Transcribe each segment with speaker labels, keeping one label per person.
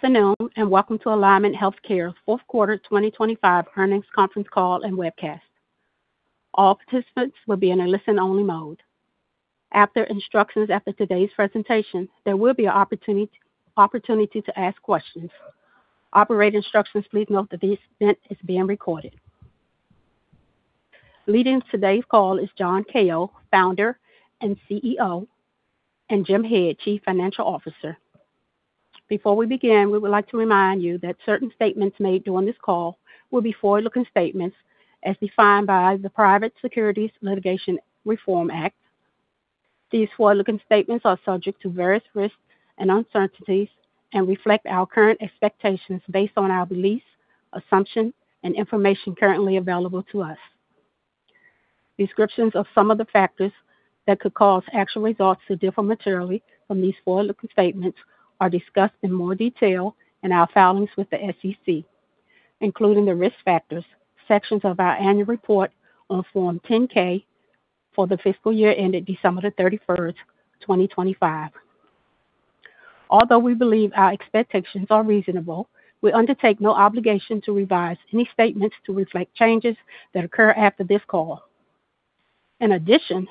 Speaker 1: Good afternoon, welcome to Alignment Healthcare Fourth Quarter 2025 Earnings Conference Call and Webcast. All participants will be in a listen-only mode. After instructions after today's presentation, there will be opportunity to ask questions. Operator instructions, please note that this event is being recorded. Leading today's call is John Kao, Founder and CEO, Jim Head, Chief Financial Officer. Before we begin, we would like to remind you that certain statements made during this call will be forward-looking statements as defined by the Private Securities Litigation Reform Act. These forward-looking statements are subject to various risks and uncertainties and reflect our current expectations based on our beliefs, assumptions, and information currently available to us. Descriptions of some of the factors that could cause actual results to differ materially from these forward-looking statements are discussed in more detail in our filings with the SEC, including the Risk Factors sections of our Annual Report on Form 10-K for the fiscal year ended December 31st, 2025. Although we believe our expectations are reasonable, we undertake no obligation to revise any statements to reflect changes that occur after this call. In addition,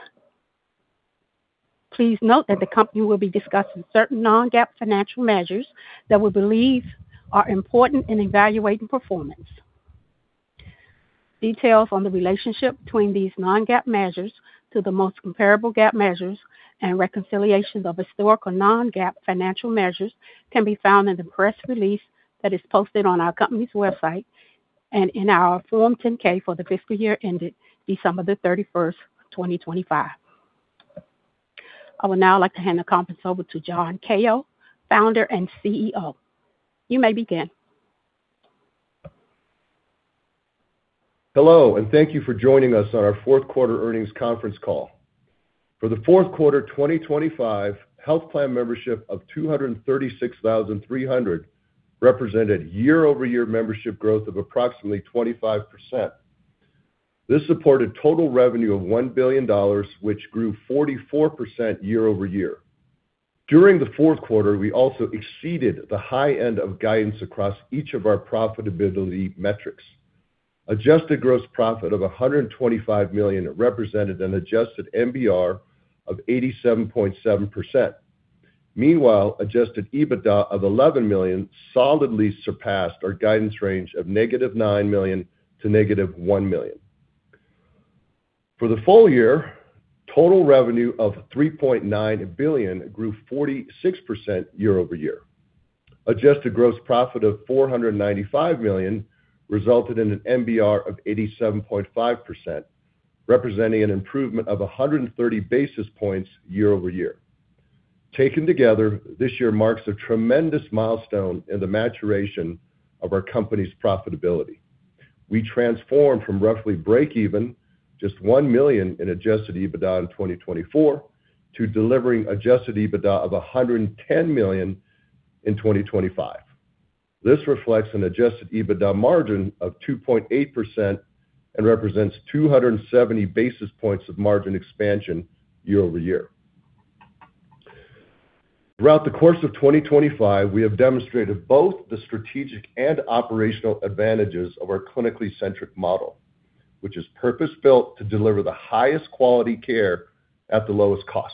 Speaker 1: please note that the company will be discussing certain non-GAAP financial measures that we believe are important in evaluating performance. Details on the relationship between these non-GAAP measures to the most comparable GAAP measures and reconciliations of historical non-GAAP financial measures can be found in the press release that is posted on our company's website and in our Form 10-K for the fiscal year ended December the 31st, 2025. I would now like to hand the conference over to John Kao, Founder and CEO. You may begin.
Speaker 2: Hello, thank you for joining us on our fourth quarter earnings conference call. For the fourth quarter 2025, health plan membership of 236,300 represented year-over-year membership growth of approximately 25%. This supported total revenue of $1 billion, which grew 44% year-over-year. During the fourth quarter, we also exceeded the high end of guidance across each of our profitability metrics. Adjusted gross profit of $125 million represented an adjusted MBR of 87.7%. Meanwhile, adjusted EBITDA of $11 million solidly surpassed our guidance range of -$9 million to -$1 million. For the full year, total revenue of $3.9 billion grew 46% year-over-year. Adjusted gross profit of $495 million resulted in an MBR of 87.5%, representing an improvement of 130 basis points year-over-year. Taken together, this year marks a tremendous milestone in the maturation of our company's profitability. We transformed from roughly breakeven, just $1 million in adjusted EBITDA in 2024, to delivering adjusted EBITDA of $110 million in 2025. This reflects an adjusted EBITDA margin of 2.8% and represents 270 basis points of margin expansion year-over-year. Throughout the course of 2025, we have demonstrated both the strategic and operational advantages of our clinically centric model, which is purpose-built to deliver the highest quality care at the lowest cost.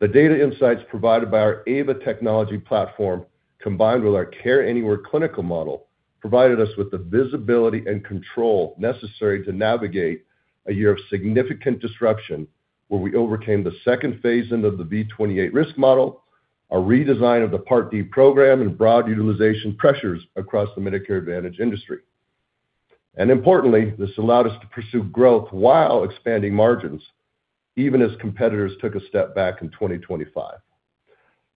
Speaker 2: The data insights provided by our AVA technology platform, combined with our Care Anywhere clinical model, provided us with the visibility and control necessary to navigate a year of significant disruption, where we overcame the second phase-in of the V28 risk model, a redesign of the Part D program, and broad utilization pressures across the Medicare Advantage industry. Importantly, this allowed us to pursue growth while expanding margins, even as competitors took a step back in 2025.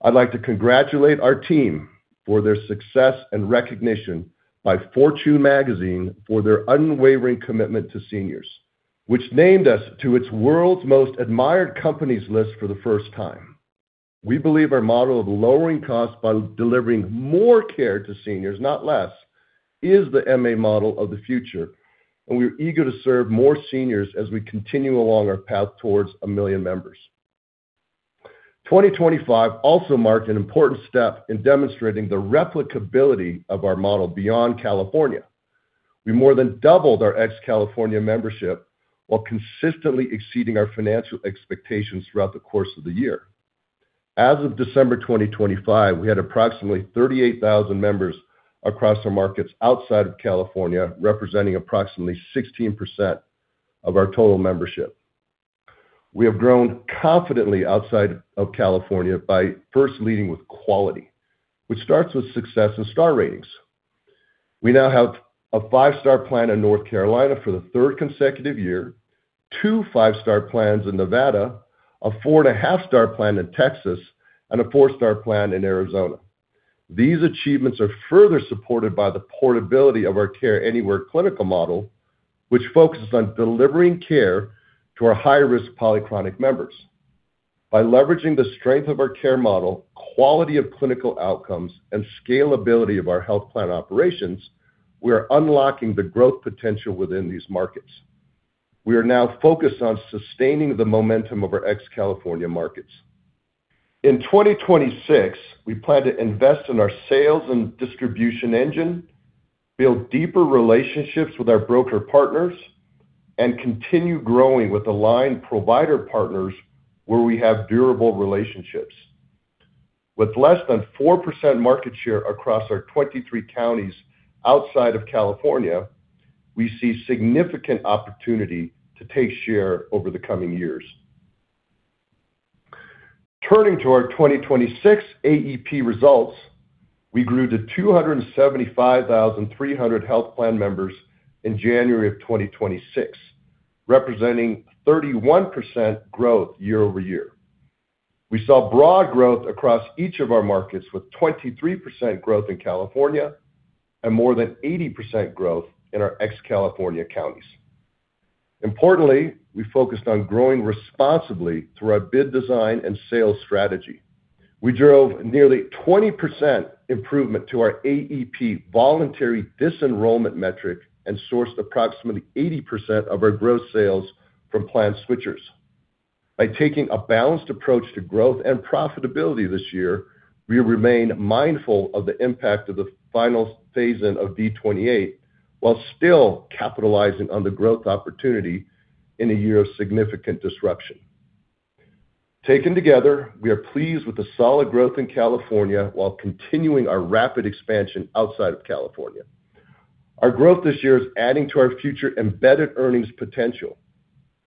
Speaker 2: I'd like to congratulate our team for their success and recognition by Fortune Magazine for their unwavering commitment to seniors, which named us to its World's Most Admired Companies list for the first time. We believe our model of lowering costs by delivering more care to seniors, not less, is the MA model of the future, and we are eager to serve more seniors as we continue along our path towards 1 million members. 2025 also marked an important step in demonstrating the replicability of our model beyond California. We more than doubled our ex-California membership while consistently exceeding our financial expectations throughout the course of the year. As of December 2025, we had approximately 38,000 members across our markets outside of California, representing approximately 16% of our total membership. We have grown confidently outside of California by first leading with quality, which starts with success in star ratings. We now have a 5-star plan in North Carolina for the third consecutive year, two 5-star plans in Nevada, a 4.5-star plan in Texas, and a 4-star plan in Arizona. These achievements are further supported by the portability of our Care Anywhere clinical model, which focuses on delivering care to our high-risk polychronic members. By leveraging the strength of our care model, quality of clinical outcomes, and scalability of our health plan operations, we are unlocking the growth potential within these markets. We are now focused on sustaining the momentum of our ex-California markets. In 2026, we plan to invest in our sales and distribution engine, build deeper relationships with our broker partners, and continue growing with aligned provider partners where we have durable relationships. With less than 4% market share across our 23 counties outside of California, we see significant opportunity to take share over the coming years. Turning to our 2026 AEP results, we grew to 275,300 health plan members in January of 2026, representing 31% growth year-over-year. We saw broad growth across each of our markets, with 23% growth in California and more than 80% growth in our ex-California counties. Importantly, we focused on growing responsibly through our bid design and sales strategy. We drove nearly 20% improvement to our AEP voluntary disenrollment metric and sourced approximately 80% of our gross sales from plan switchers. By taking a balanced approach to growth and profitability this year, we remain mindful of the impact of the final phase-in of V28, while still capitalizing on the growth opportunity in a year of significant disruption. Taken together, we are pleased with the solid growth in California while continuing our rapid expansion outside of California. Our growth this year is adding to our future embedded earnings potential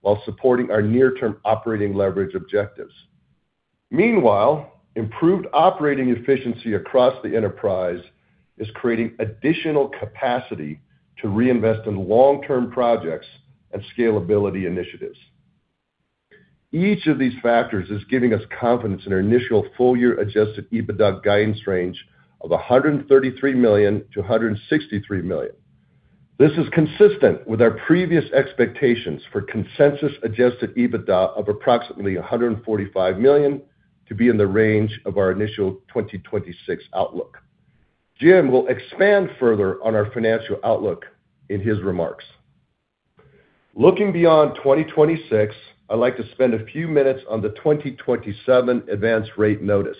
Speaker 2: while supporting our near-term operating leverage objectives. Meanwhile, improved operating efficiency across the enterprise is creating additional capacity to reinvest in long-term projects and scalability initiatives. Each of these factors is giving us confidence in our initial full year adjusted EBITDA guidance range of $133 million-$163 million. This is consistent with our previous expectations for consensus adjusted EBITDA of approximately $145 million to be in the range of our initial 2026 outlook. Jim will expand further on our financial outlook in his remarks. Looking beyond 2026, I'd like to spend a few minutes on the 2027 advanced rate notice.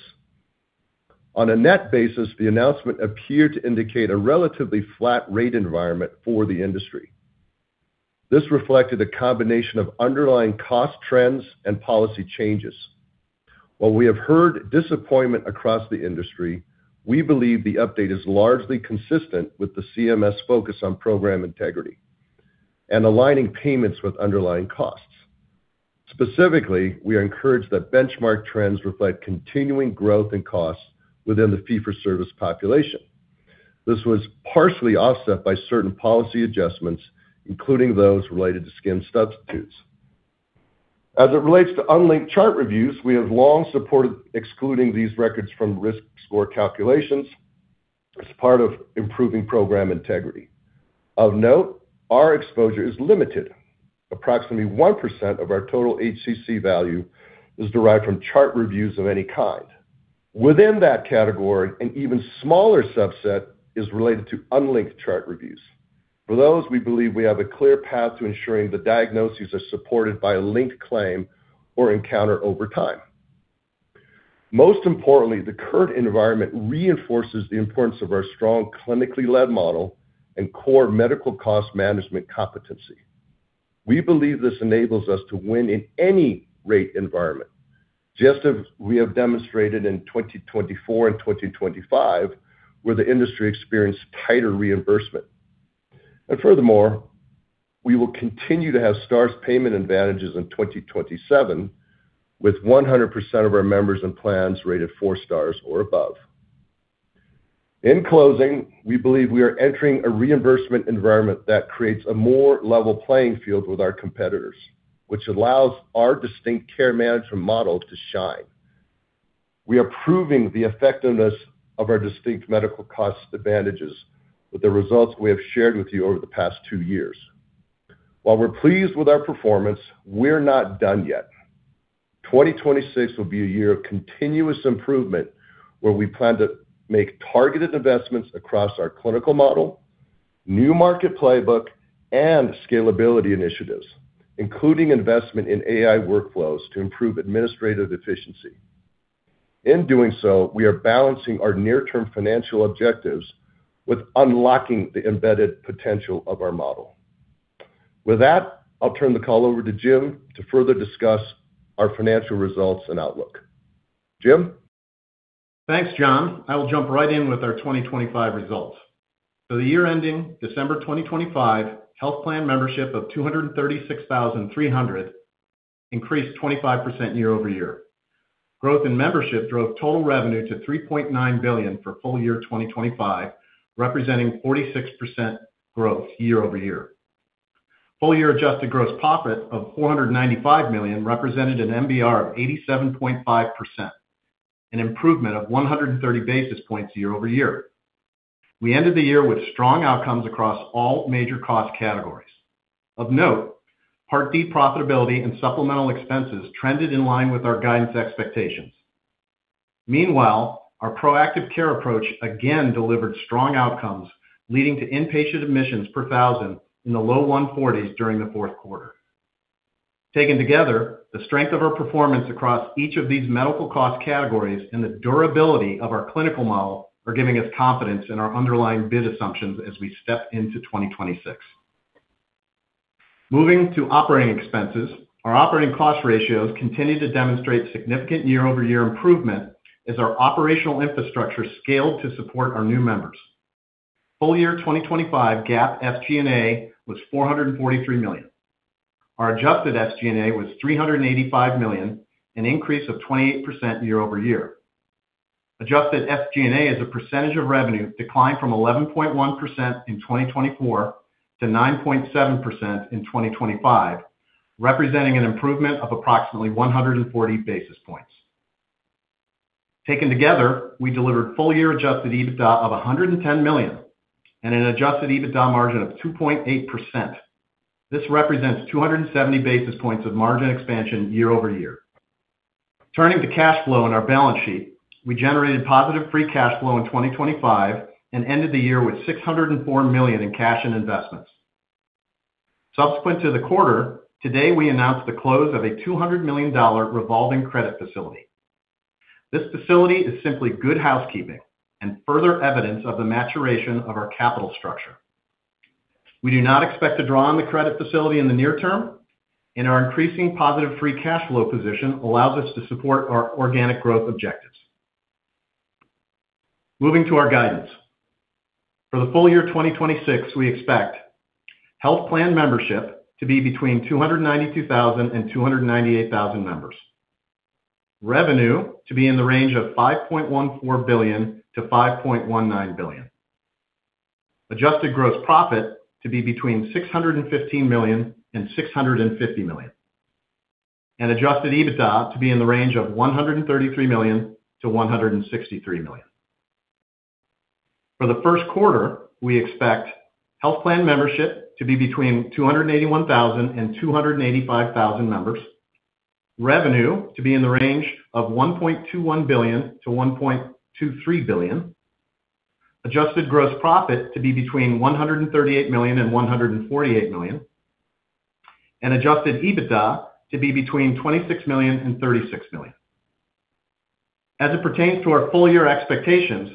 Speaker 2: On a net basis, the announcement appeared to indicate a relatively flat rate environment for the industry. This reflected a combination of underlying cost trends and policy changes. While we have heard disappointment across the industry, we believe the update is largely consistent with the CMS focus on program integrity and aligning payments with underlying costs. Specifically, we are encouraged that benchmark trends reflect continuing growth in costs within the fee for service population. This was partially offset by certain policy adjustments, including those related to skin substitutes. As it relates to unlinked chart reviews, we have long supported excluding these records from risk score calculations as part of improving program integrity. Of note, our exposure is limited. Approximately 1% of our total HCC value is derived from chart reviews of any kind. Within that category, an even smaller subset is related to unlinked chart reviews. For those, we believe we have a clear path to ensuring the diagnoses are supported by a linked claim or encounter over time. Most importantly, the current environment reinforces the importance of our strong clinically led model and core medical cost management competency. We believe this enables us to win in any rate environment, just as we have demonstrated in 2024 and 2025, where the industry experienced tighter reimbursement. Furthermore, we will continue to have stars payment advantages in 2027, with 100% of our members and plans rated 4-stars or above. In closing, we believe we are entering a reimbursement environment that creates a more level playing field with our competitors, which allows our distinct care management model to shine. We are proving the effectiveness of our distinct medical cost advantages with the results we have shared with you over the past two years. While we're pleased with our performance, we're not done yet. 2026 will be a year of continuous improvement, where we plan to make targeted investments across our clinical model, new market playbook, and scalability initiatives, including investment in AI workflows to improve administrative efficiency. In doing so, we are balancing our near-term financial objectives with unlocking the embedded potential of our model. With that, I'll turn the call over to Jim to further discuss our financial results and outlook. Jim?
Speaker 3: Thanks, John. I will jump right in with our 2025 results. For the year ending December 2025, health plan membership of 236,300 increased 25% year-over-year. Growth in membership drove total revenue to $3.9 billion for full year 2025, representing 46% growth year-over-year. Full year adjusted gross profit of $495 million represented an MBR of 87.5%, an improvement of 130 basis points year-over-year. We ended the year with strong outcomes across all major cost categories. Of note, Part D profitability and supplemental expenses trended in line with our guidance expectations. Meanwhile, our proactive care approach again delivered strong outcomes, leading to inpatient admissions per thousand in the low 140s during the fourth quarter. Taken together, the strength of our performance across each of these medical cost categories and the durability of our clinical model are giving us confidence in our underlying bid assumptions as we step into 2026. Moving to operating expenses, our operating cost ratios continued to demonstrate significant year-over-year improvement as our operational infrastructure scaled to support our new members. Full year 2025 GAAP SG&A was $443 million. Our adjusted SG&A was $385 million, an increase of 28% year-over-year. Adjusted SG&A as a percentage of revenue declined from 11.1% in 2024 to 9.7% in 2025, representing an improvement of approximately 140 basis points. Taken together, we delivered full-year adjusted EBITDA of $110 million and an adjusted EBITDA margin of 2.8%. This represents 270 basis points of margin expansion year-over-year. Turning to cash flow and our balance sheet, we generated positive free cash flow in 2025 and ended the year with $604 million in cash and investments. Subsequent to the quarter, today, we announced the close of a $200 million revolving credit facility. This facility is simply good housekeeping and further evidence of the maturation of our capital structure. We do not expect to draw on the credit facility in the near term, and our increasing positive free cash flow position allows us to support our organic growth objectives. Moving to our guidance. For the full year 2026, we expect health plan membership to be between 292,000 and 298,000 members. Revenue to be in the range of $5.14 billion-$5.19 billion. Adjusted gross profit to be between $615 million and $650 million, and adjusted EBITDA to be in the range of $133 million-$163 million. For the first quarter, we expect health plan membership to be between 281,000 and 285,000 members. Revenue to be in the range of $1.21 billion-$1.23 billion. Adjusted gross profit to be between $138 million and $148 million, and adjusted EBITDA to be between $26 million and $36 million. As it pertains to our full year expectations,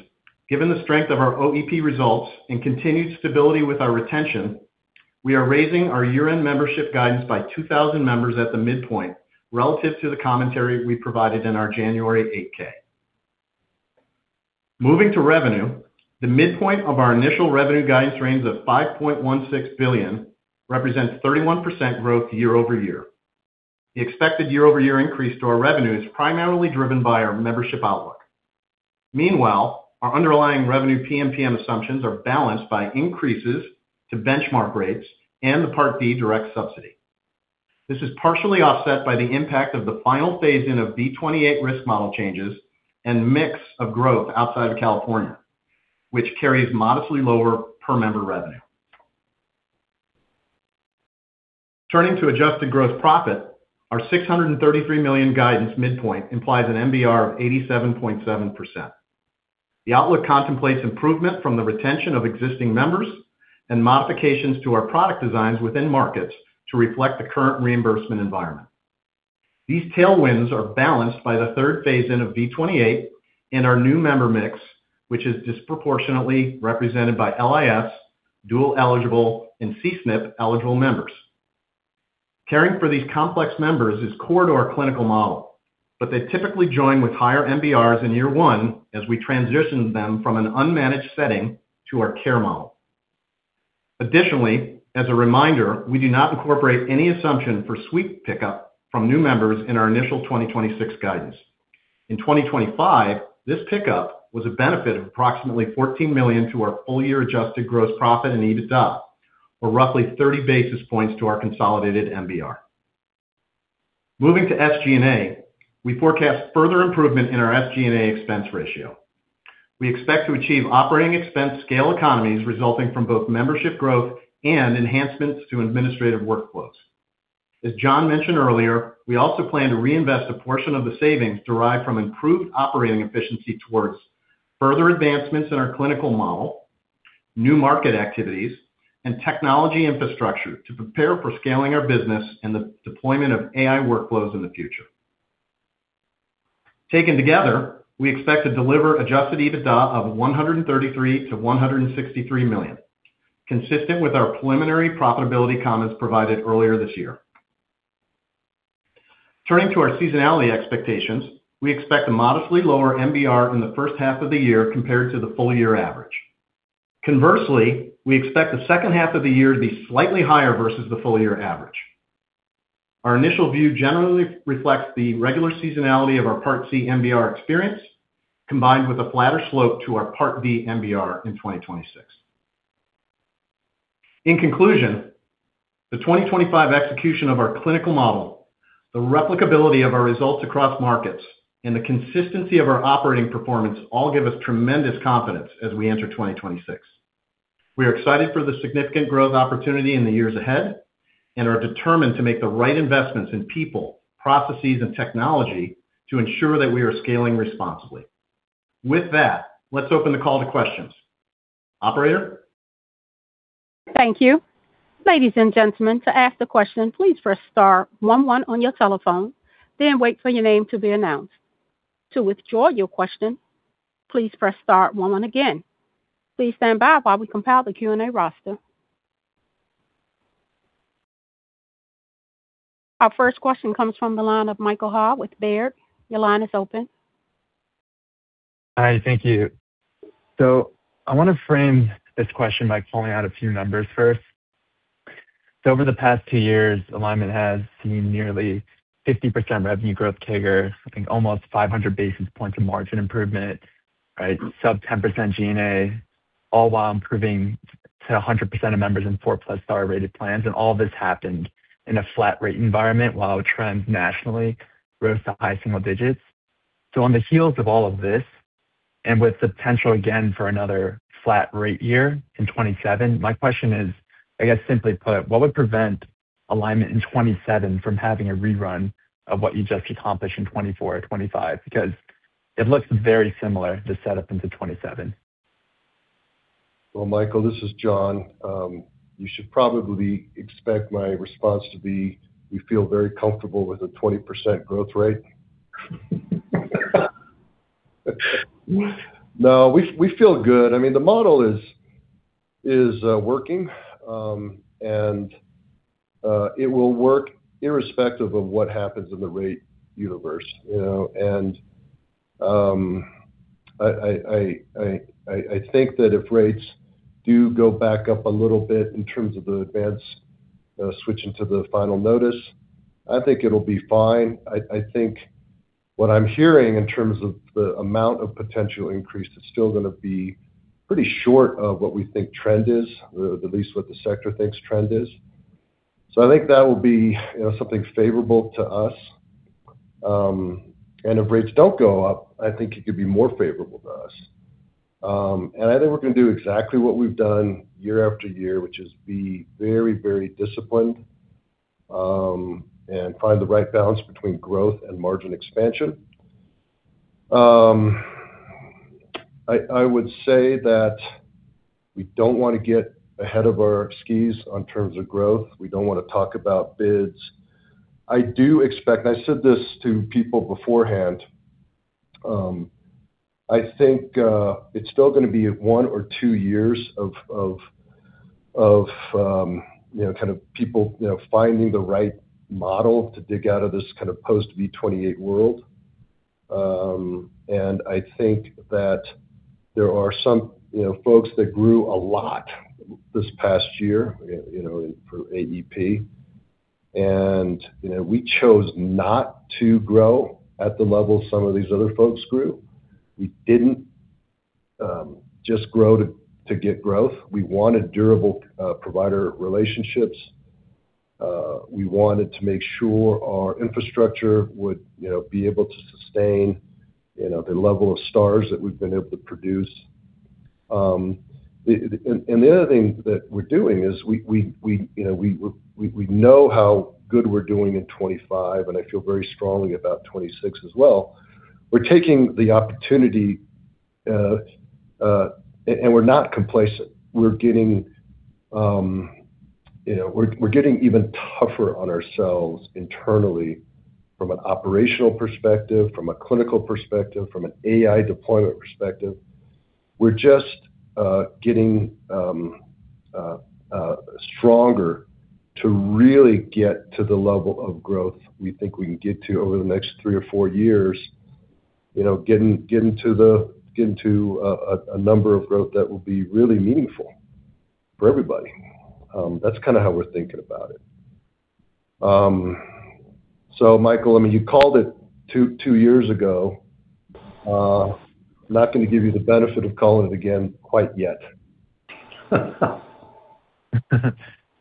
Speaker 3: given the strength of our OEP results and continued stability with our retention, we are raising our year-end membership guidance by 2,000 members at the midpoint relative to the commentary we provided in our January 8-K. Moving to revenue, the midpoint of our initial revenue guidance range of $5.16 billion represents 31% growth year-over-year. The expected year-over-year increase to our revenue is primarily driven by our membership outlook. Meanwhile, our underlying revenue PMPM assumptions are balanced by increases to benchmark rates and the Part D direct subsidy. This is partially offset by the impact of the final phase-in of V28 risk model changes and mix of growth outside of California, which carries modestly lower per member revenue. Turning to adjusted gross profit, our $633 million guidance midpoint implies an MBR of 87.7%. The outlook contemplates improvement from the retention of existing members and modifications to our product designs within markets to reflect the current reimbursement environment. These tailwinds are balanced by the third phase-in of V28 and our new member mix, which is disproportionately represented by LIS, dual-eligible, and C-SNP-eligible members. Caring for these complex members is core to our clinical model, but they typically join with higher MBRs in year one as we transition them from an unmanaged setting to our care model. Additionally, as a reminder, we do not incorporate any assumption for sweep pickup from new members in our initial 2026 guidance. In 2025, this pickup was a benefit of approximately $14 million to our full-year adjusted gross profit and EBITDA, or roughly 30 basis points to our consolidated MBR. Moving to SG&A, we forecast further improvement in our SG&A expense ratio. We expect to achieve operating expense scale economies resulting from both membership growth and enhancements to administrative workflows. As John mentioned earlier, we also plan to reinvest a portion of the savings derived from improved operating efficiency towards further advancements in our clinical model, new market activities, and technology infrastructure to prepare for scaling our business and the deployment of AI workflows in the future. Taken together, we expect to deliver adjusted EBITDA of $133 million-$163 million, consistent with our preliminary profitability comments provided earlier this year. Turning to our seasonality expectations, we expect a modestly lower MBR in the first half of the year compared to the full year average. Conversely, we expect the second half of the year to be slightly higher versus the full year average. Our initial view generally reflects the regular seasonality of our Part C MBR experience, combined with a flatter slope to our Part D MBR in 2026. In conclusion, the 2025 execution of our clinical model, the replicability of our results across markets, and the consistency of our operating performance all give us tremendous confidence as we enter 2026. We are excited for the significant growth opportunity in the years ahead and are determined to make the right investments in people, processes, and technology to ensure that we are scaling responsibly. With that, let's open the call to questions. Operator?
Speaker 1: Thank you. Ladies and gentlemen, to ask the question, please press star one one on your telephone, then wait for your name to be announced. To withdraw your question, please press star one one again. Please stand by while we compile the Q&A roster. Our first question comes from the line of Michael Ha with Baird. Your line is open.
Speaker 4: Hi. Thank you. I want to frame this question by pulling out a few numbers first. Over the past 2 years, Alignment has seen nearly 50% revenue growth CAGR, I think almost 500 basis points of margin improvement, right? Sub 10% G&A, all while improving to 100% of members in 4+ star rated plans. All this happened in a flat rate environment while trends nationally rose to high single digits. On the heels of all of this, and with potential again for another flat rate year in 2027, my question is, I guess simply put, what would prevent Alignment in 2027 from having a rerun of what you just accomplished in 2024 or 2025? Because it looks very similar, the setup into 2027.
Speaker 2: Well, Michael, this is John. You should probably expect my response to be, we feel very comfortable with a 20% growth rate. No, we feel good. I mean, the model is working, and it will work irrespective of what happens in the rate universe, you know? I think that if rates do go back up a little bit in terms of the advance, switching to the final notice, I think it'll be fine. I think what I'm hearing in terms of the amount of potential increase is still gonna be pretty short of what we think trend is, or at least what the sector thinks trend is. I think that will be, you know, something favorable to us. If rates don't go up, I think it could be more favorable to us. I think we're gonna do exactly what we've done year after year, which is be very, very disciplined, and find the right balance between growth and margin expansion. I would say that we don't wanna get ahead of our skis in terms of growth. We don't wanna talk about bids. I do expect, and I said this to people beforehand, I think it's still gonna be one or two years of, you know, kind of people, you know, finding the right model to dig out of this kind of post V28 world. I think that there are some, you know, folks that grew a lot this past year, you know, for AEP, and, you know, we chose not to grow at the level some of these other folks grew. We didn't just grow to get growth. We wanted durable provider relationships. We wanted to make sure our infrastructure would, you know, be able to sustain, you know, the level of stars that we've been able to produce. The other thing that we're doing is we, you know, we know how good we're doing in 2025, and I feel very strongly about 2026 as well. We're taking the opportunity. We're not complacent. We're getting, you know, we're getting even tougher on ourselves internally from an operational perspective, from a clinical perspective, from an AI deployment perspective. We're just getting stronger to really get to the level of growth we think we can get to over the next three or four years. You know, getting to a number of growth that will be really meaningful for everybody. That's kinda how we're thinking about it. Michael, I mean, you called it two years ago. I'm not gonna give you the benefit of calling it again quite yet.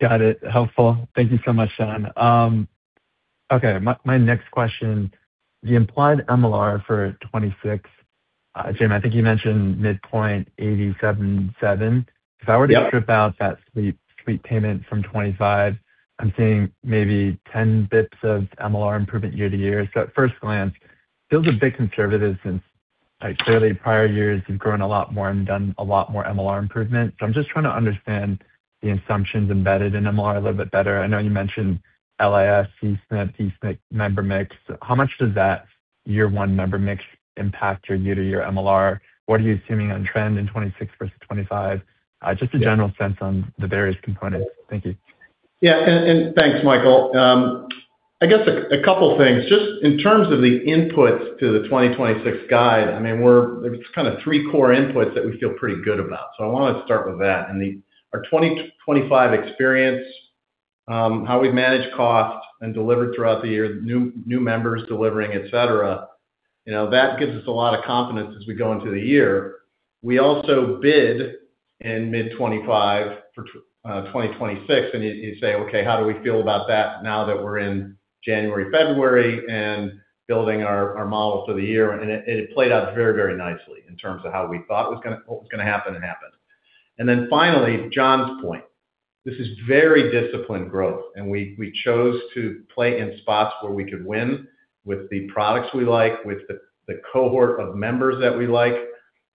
Speaker 4: Got it. Helpful. Thank you so much, John. Okay. My next question, the implied MLR for 2026, Jim, I think you mentioned midpoint 87.7%.
Speaker 3: Yep.
Speaker 4: If I were to strip out that sweep payment from 2025, I'm seeing maybe 10 basis points of MLR improvement year to year. At first glance, feels a bit conservative since, like, clearly prior years you've grown a lot more and done a lot more MLR improvement. I'm just trying to understand the assumptions embedded in MLR a little bit better. I know you mentioned LIS, C-SNP, D-SNP member mix. How much does that year 1 member mix impact your year-to-year MLR? What are you assuming on trend in 2026 versus 2025? Just a general sense on the various components. Thank you.
Speaker 3: Yeah. Thanks, Michael. I guess a couple things. Just in terms of the inputs to the 2026 guide, I mean, it's kind of three core inputs that we feel pretty good about. I want to start with that. Our 2025 experience, how we managed cost and delivered throughout the year, new members delivering, et cetera, you know, that gives us a lot of confidence as we go into the year. We also bid in mid-2025 for 2026, and you say, okay, how do we feel about that now that we're in January, February, and building our model for the year, and it played out very, very nicely in terms of how we thought what was gonna happen, happened. Finally, John's point, this is very disciplined growth. We chose to play in spots where we could win with the products we like, with the cohort of members that we like,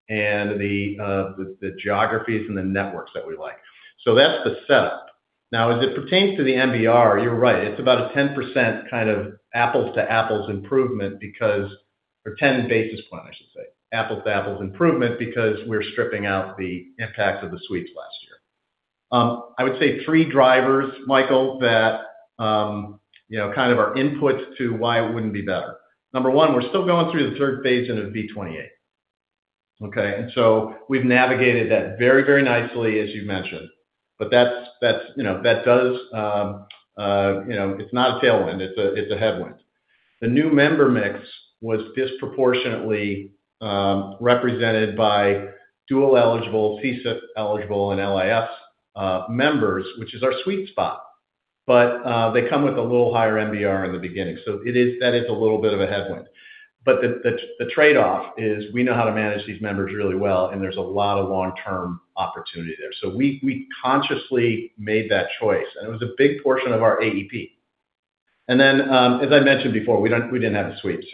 Speaker 3: and the with the geographies and the networks that we like. That's the setup. Now, as it pertains to the MBR, you're right. It's about a 10% kind of apples to apples improvement because for 10 basis points, I should say, apples to apples improvement because we're stripping out the impact of the sweeps last year. I would say 3 drivers, Michael, that, you know, kind of our inputs to why it wouldn't be better. Number one, we're still going through the third phase of V28. Okay. We've navigated that very, very nicely, as you mentioned. That's, you know, that does, you know, it's not a tailwind, it's a, it's a headwind. The new member mix was disproportionately represented by dual eligible, C-SNP eligible, and LIS members, which is our sweet spot. They come with a little higher MBR in the beginning. That is a little bit of a headwind. The trade-off is we know how to manage these members really well, and there's a lot of long-term opportunity there. We consciously made that choice, and it was a big portion of our AEP. As I mentioned before, we didn't have a suite.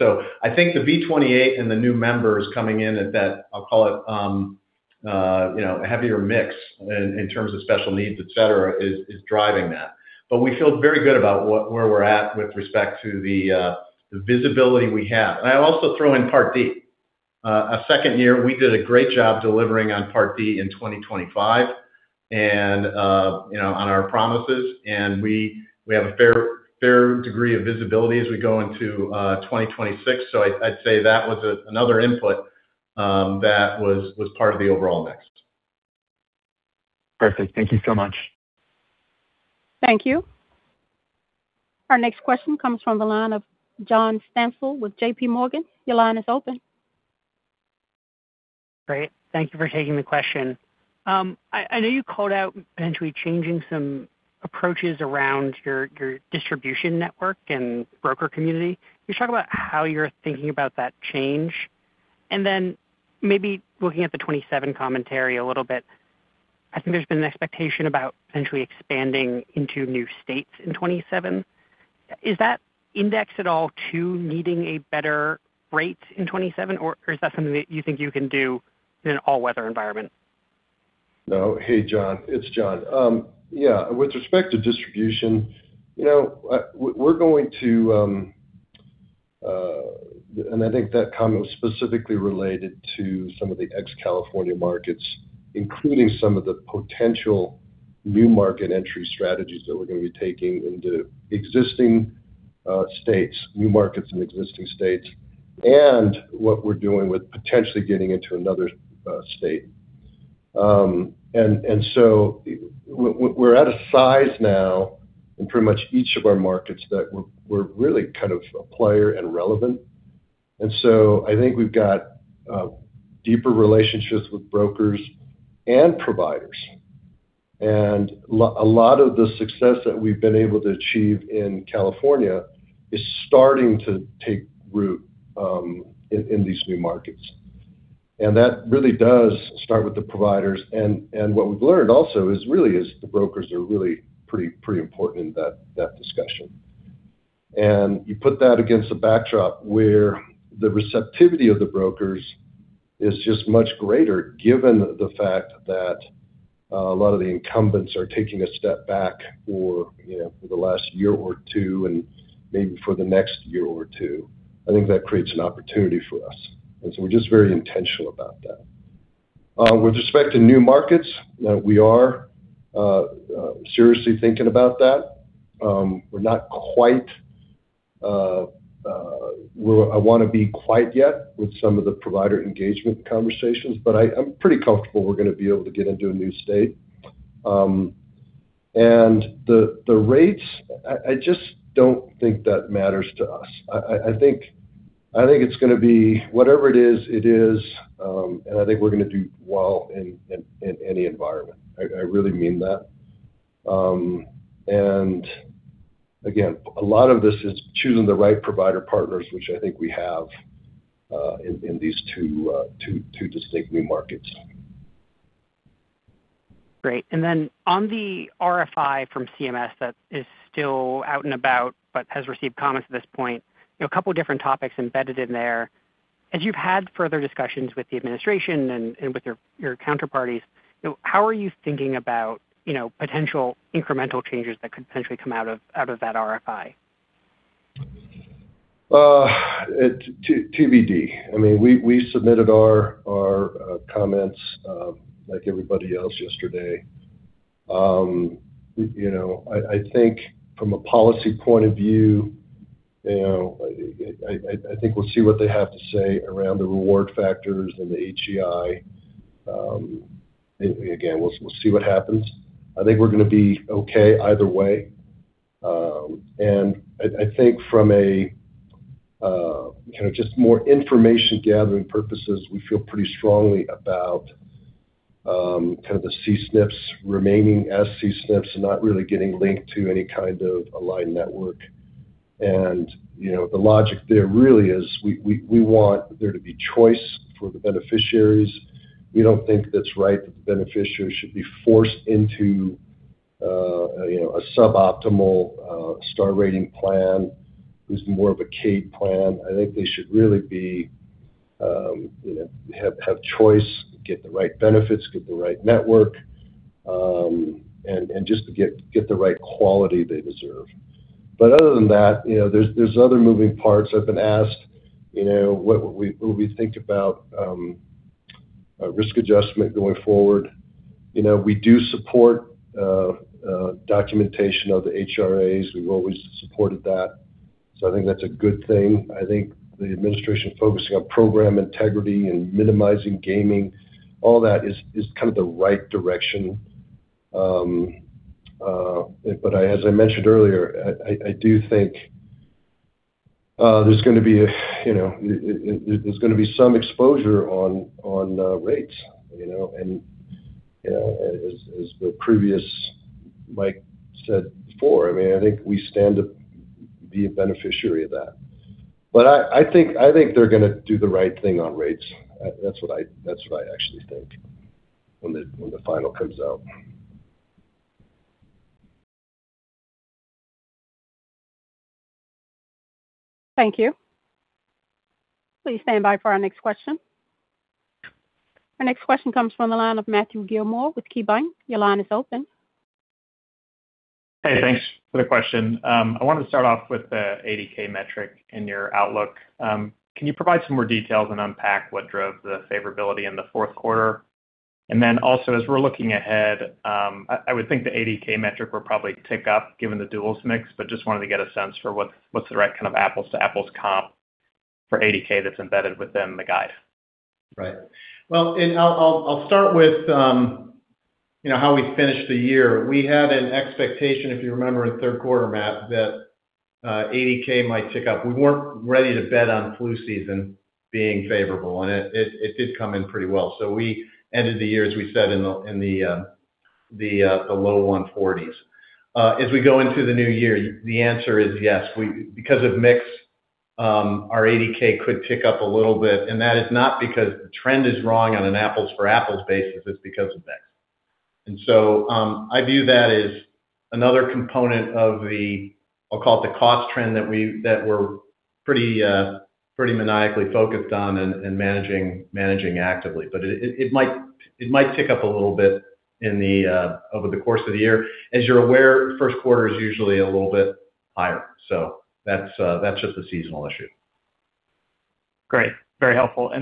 Speaker 3: I think the V28 and the new members coming in at that, I'll call it, you know, heavier mix in terms of special needs, et cetera, is driving that. We feel very good about where we're at with respect to the visibility we have. I also throw in Part D. A second year, we did a great job delivering on Part D in 2025 and, you know, on our promises. We have a fair degree of visibility as we go into 2026. I'd say that was another input that was part of the overall mix.
Speaker 4: Perfect. Thank you so much.
Speaker 1: Thank you. Our next question comes from the line of John Stansel with JP Morgan. Your line is open.
Speaker 5: Great. Thank you for taking the question. I know you called out potentially changing some approaches around your distribution network and broker community. Can you talk about how you're thinking about that change? Maybe looking at the 2027 commentary a little bit, I think there's been an expectation about potentially expanding into new states in 2027. Is that indexed at all to needing a better rate in 2027, or is that something that you think you can do in an all-weather environment?
Speaker 2: No. Hey, John. It's John. Yeah. With respect to distribution, you know, we're going to, and I think that comment was specifically related to some of the ex-California markets, including some of the potential new market entry strategies that we're gonna be taking into existing states, new markets in existing states, and what we're doing with potentially getting into another state. So we're at a size now in pretty much each of our markets that we're really kind of a player and relevant. So I think we've got deeper relationships with brokers and providers. A lot of the success that we've been able to achieve in California is starting to take root in these new markets. That really does start with the providers. What we've learned also is the brokers are really pretty important in that discussion. You put that against a backdrop where the receptivity of the brokers is just much greater given the fact that a lot of the incumbents are taking a step back for, you know, for the last year or two and maybe for the next year or two. I think that creates an opportunity for us. We're just very intentional about that. With respect to new markets, we are seriously thinking about that. We're not quite where I wanna be quite yet with some of the provider engagement conversations, but I'm pretty comfortable we're gonna be able to get into a new state. The rates, I just don't think that matters to us. I think it's gonna be whatever it is, it is. I think we're gonna do well in any environment. I really mean that. Again, a lot of this is choosing the right provider partners, which I think we have, in these two distinct new markets.
Speaker 5: Great. On the RFI from CMS that is still out and about, but has received comments at this point, you know, a couple different topics embedded in there. As you've had further discussions with the administration and with your counterparties, you know, how are you thinking about, you know, potential incremental changes that could potentially come out of that RFI?
Speaker 2: TBD. I mean, we submitted our comments, like everybody else yesterday. You know, I think from a policy point of view, you know, I think we'll see what they have to say around the reward factors and the HEI. Again, we'll see what happens. I think we're gonna be okay either way. I think from a. Kind of just more information gathering purposes. We feel pretty strongly about kind of the C-SNPs remaining as C-SNPs and not really getting linked to any kind of aligned network. You know, the logic there really is we want there to be choice for the beneficiaries. We don't think that's right that the beneficiaries should be forced into, you know, a suboptimal star rating plan, who's more of a C-SNP plan. I think they should really be, you know, have choice, get the right benefits, get the right network, and just to get the right quality they deserve. Other than that, you know, there's other moving parts. I've been asked, you know, what we think about risk adjustment going forward. You know, we do support documentation of the HRAs. We've always supported that. I think that's a good thing. I think the administration focusing on program integrity and minimizing gaming, all that is kind of the right direction. As I mentioned earlier, I do think there's gonna be some exposure on rates, you know? You know, as the previous Mike said before, I mean, I think we stand to be a beneficiary of that. I think they're gonna do the right thing on rates. That's what I actually think when the final comes out.
Speaker 1: Thank you. Please stand by for our next question. Our next question comes from the line of Matthew Gillmor with KeyBanc. Your line is open.
Speaker 6: Hey, thanks for the question. I wanted to start off with the ADK metric in your outlook. Can you provide some more details and unpack what drove the favorability in the fourth quarter? Also, as we're looking ahead, I would think the ADK metric will probably tick up given the duals mix, but just wanted to get a sense for what's the right kind of apples to apples comp for ADK that's embedded within the guide.
Speaker 3: Right. Well, I'll start with, you know, how we finished the year. We had an expectation, if you remember in third quarter, Matt, that ADK might tick up. We weren't ready to bet on flu season being favorable, and it did come in pretty well. We ended the year, as we said, in the low 140s. As we go into the new year, the answer is yes. Because of mix, our ADK could tick up a little bit. That is not because the trend is wrong on an apples for apples basis, it's because of mix. I view that as another component of the, I'll call it the cost trend that we're pretty maniacally focused on and managing actively. It might tick up a little bit in the over the course of the year. As you're aware, first quarter is usually a little bit higher. That's just a seasonal issue.
Speaker 6: Great. Very helpful. You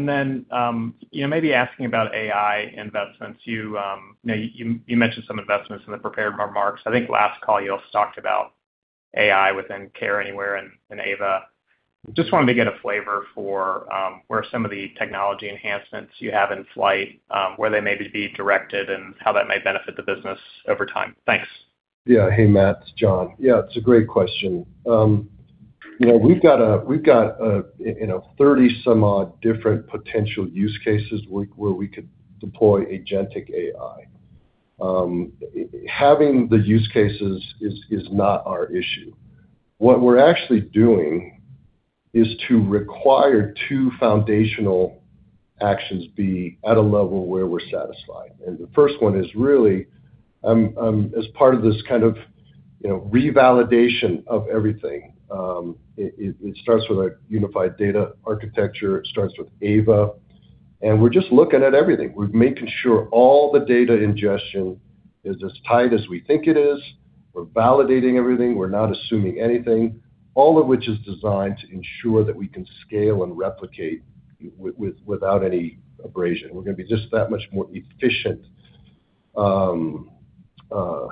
Speaker 6: know, maybe asking about AI investments. You know, you mentioned some investments in the prepared remarks. I think last call you also talked about AI within Care Anywhere and AVA. Just wanted to get a flavor for, where some of the technology enhancements you have in flight, where they may be directed and how that may benefit the business over time. Thanks.
Speaker 2: Yeah. Hey, Matt, it's John. Yeah, it's a great question. you know, we've got, you know, 30 some odd different potential use cases where we could deploy agentic AI. Having the use cases is not our issue. What we're actually doing is to require two foundational actions be at a level where we're satisfied. The first one is really, as part of this kind of, you know, revalidation of everything. It starts with a unified data architecture. It starts with AVA. We're just looking at everything. We're making sure all the data ingestion is as tight as we think it is. We're validating everything. We're not assuming anything, all of which is designed to ensure that we can scale and replicate without any abrasion. We're gonna be just that much more efficient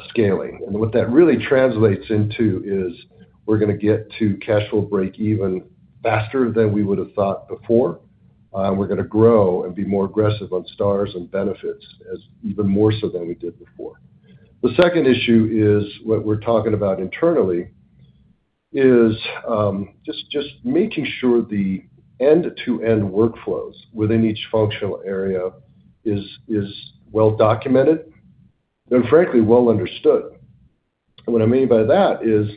Speaker 2: scaling. What that really translates into is we're gonna get to cash flow break even faster than we would have thought before. We're gonna grow and be more aggressive on stars and benefits as even more so than we did before. The second issue is what we're talking about internally, is just making sure the end-to-end workflows within each functional area is well documented and frankly, well understood. What I mean by that is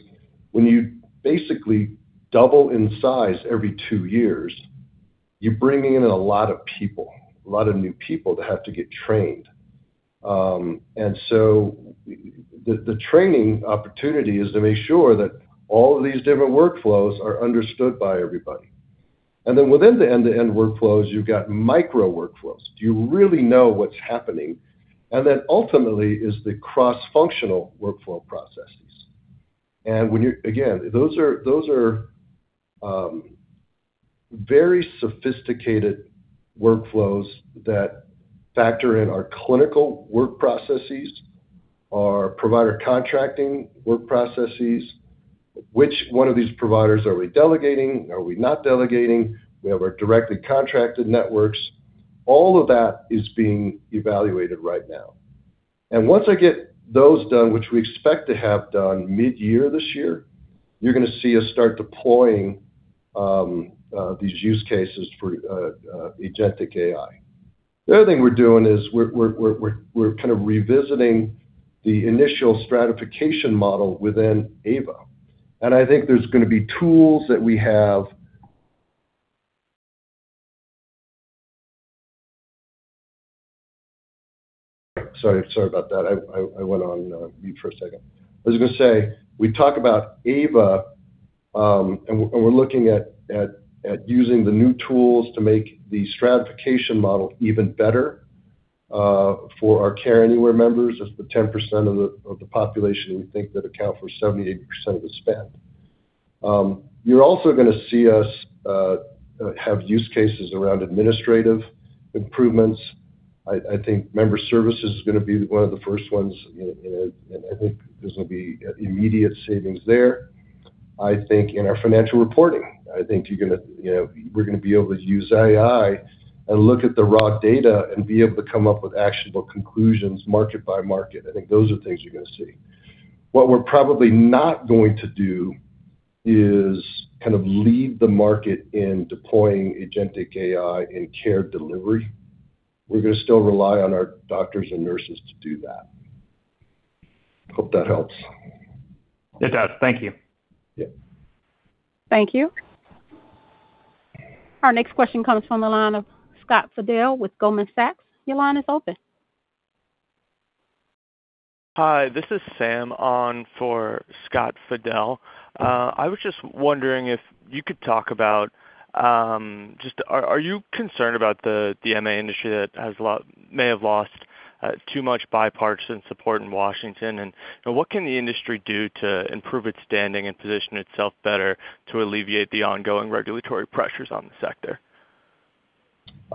Speaker 2: when you basically double in size every two years, you're bringing in a lot of people, a lot of new people that have to get trained. So the training opportunity is to make sure that all of these different workflows are understood by everybody. Then within the end-to-end workflows, you've got micro workflows. Do you really know what's happening? Then ultimately is the cross-functional workflow processes. When you Again, those are very sophisticated workflows that factor in our clinical work processes, our provider contracting work processes. Which one of these providers are we delegating? Are we not delegating? We have our directly contracted networks. All of that is being evaluated right now. Once I get those done, which we expect to have done mid-year this year, you're going to see us start deploying these use cases for agentic AI. The other thing we're doing is we're kind of revisiting the initial stratification model within AVA. I think there's going to be tools that we have. Sorry about that. I went on mute for a second. I was going to say, we talk about AVA, and we're looking at using the new tools to make the stratification model even better for our Care Anywhere members. That's the 10% of the population we think that account for 78% of the spend. You're also going to see us have use cases around administrative improvements. I think member service is going to be one of the first ones, and I think there's going to be immediate savings there. I think in our financial reporting, I think you're going to, you know, we're going to be able to use AI and look at the raw data and be able to come up with actionable conclusions, market by market. I think those are things you're going to see. What we're probably not going to do is kind of lead the market in deploying agentic AI in care delivery. We're going to still rely on our doctors and nurses to do that. Hope that helps.
Speaker 6: It does. Thank you.
Speaker 2: Yeah.
Speaker 1: Thank you. Our next question comes from the line of Scott Fidel with Goldman Sachs. Your line is open.
Speaker 7: Hi, this is Sam on for Scott Fidel. I was just wondering if you could talk about, are you concerned about the MA industry that may have lost too much bipartisan support in Washington? What can the industry do to improve its standing and position itself better to alleviate the ongoing regulatory pressures on the sector?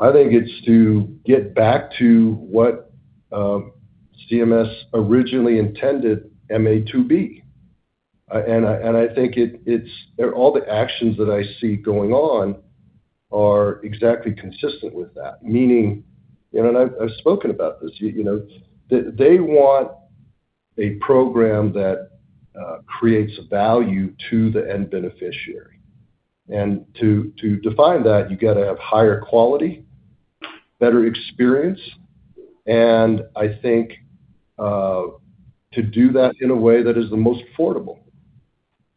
Speaker 2: I think it's to get back to what CMS originally intended MA to be. I think it's All the actions that I see going on are exactly consistent with that. Meaning, you know, and I've spoken about this, you know, they want a program that creates value to the end beneficiary. To define that, you got to have higher quality, better experience, and I think to do that in a way that is the most affordable.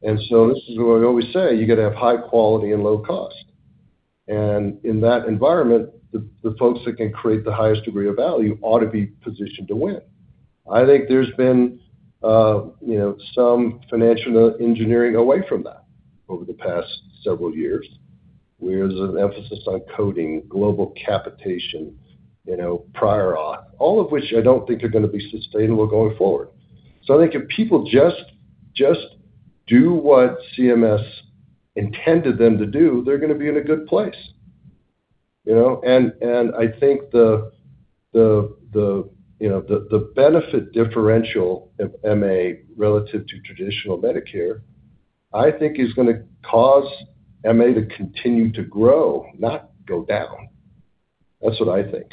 Speaker 2: This is what I always say: You got to have high quality and low cost. In that environment, the folks that can create the highest degree of value ought to be positioned to win. I think there's been, you know, some financial engineering away from that over the past several years, where there's an emphasis on coding, global capitation, you know, prior op, all of which I don't think are going to be sustainable going forward. I think if people just do what CMS intended them to do, they're going to be in a good place, you know? I think the, you know, the benefit differential of MA relative to traditional Medicare, I think is going to cause MA to continue to grow, not go down. That's what I think.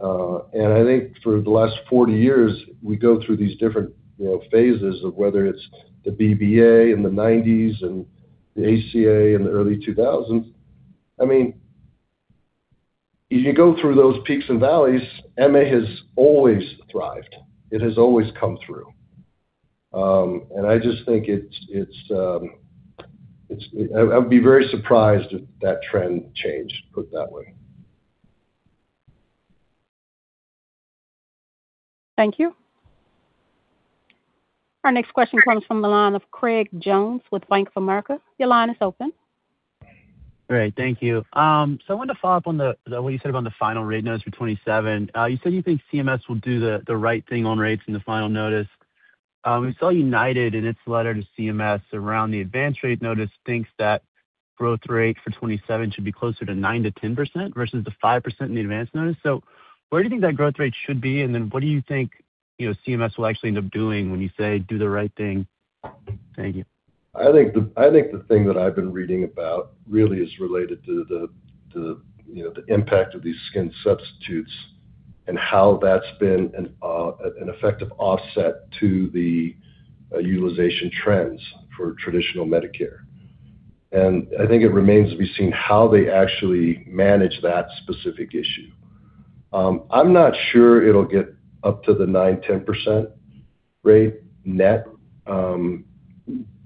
Speaker 2: I think for the last 40 years, we go through these different, you know, phases of whether it's the BBA in the 90s and the ACA in the early 2000s. I mean, as you go through those peaks and valleys, MA has always thrived. It has always come through. I would be very surprised if that trend changed, put it that way.
Speaker 1: Thank you. Our next question comes from the line of Craig Jones with Bank of America. Your line is open.
Speaker 8: Great. Thank you. I wanted to follow up on the what you said on the final rate notice for 2027. You said you think CMS will do the right thing on rates in the final notice. We saw United, in its letter to CMS around the advance rate notice, thinks that growth rate for 2027 should be closer to 9%-10% versus the 5% in the advance notice. Where do you think that growth rate should be? What do you think, you know, CMS will actually end up doing when you say, "Do the right thing"? Thank you.
Speaker 2: I think the thing that I've been reading about really is related to, you know, the impact of these skin substitutes and how that's been an effective offset to utilization trends for traditional Medicare. I think it remains to be seen how they actually manage that specific issue. I'm not sure it'll get up to the 9%-10% rate net,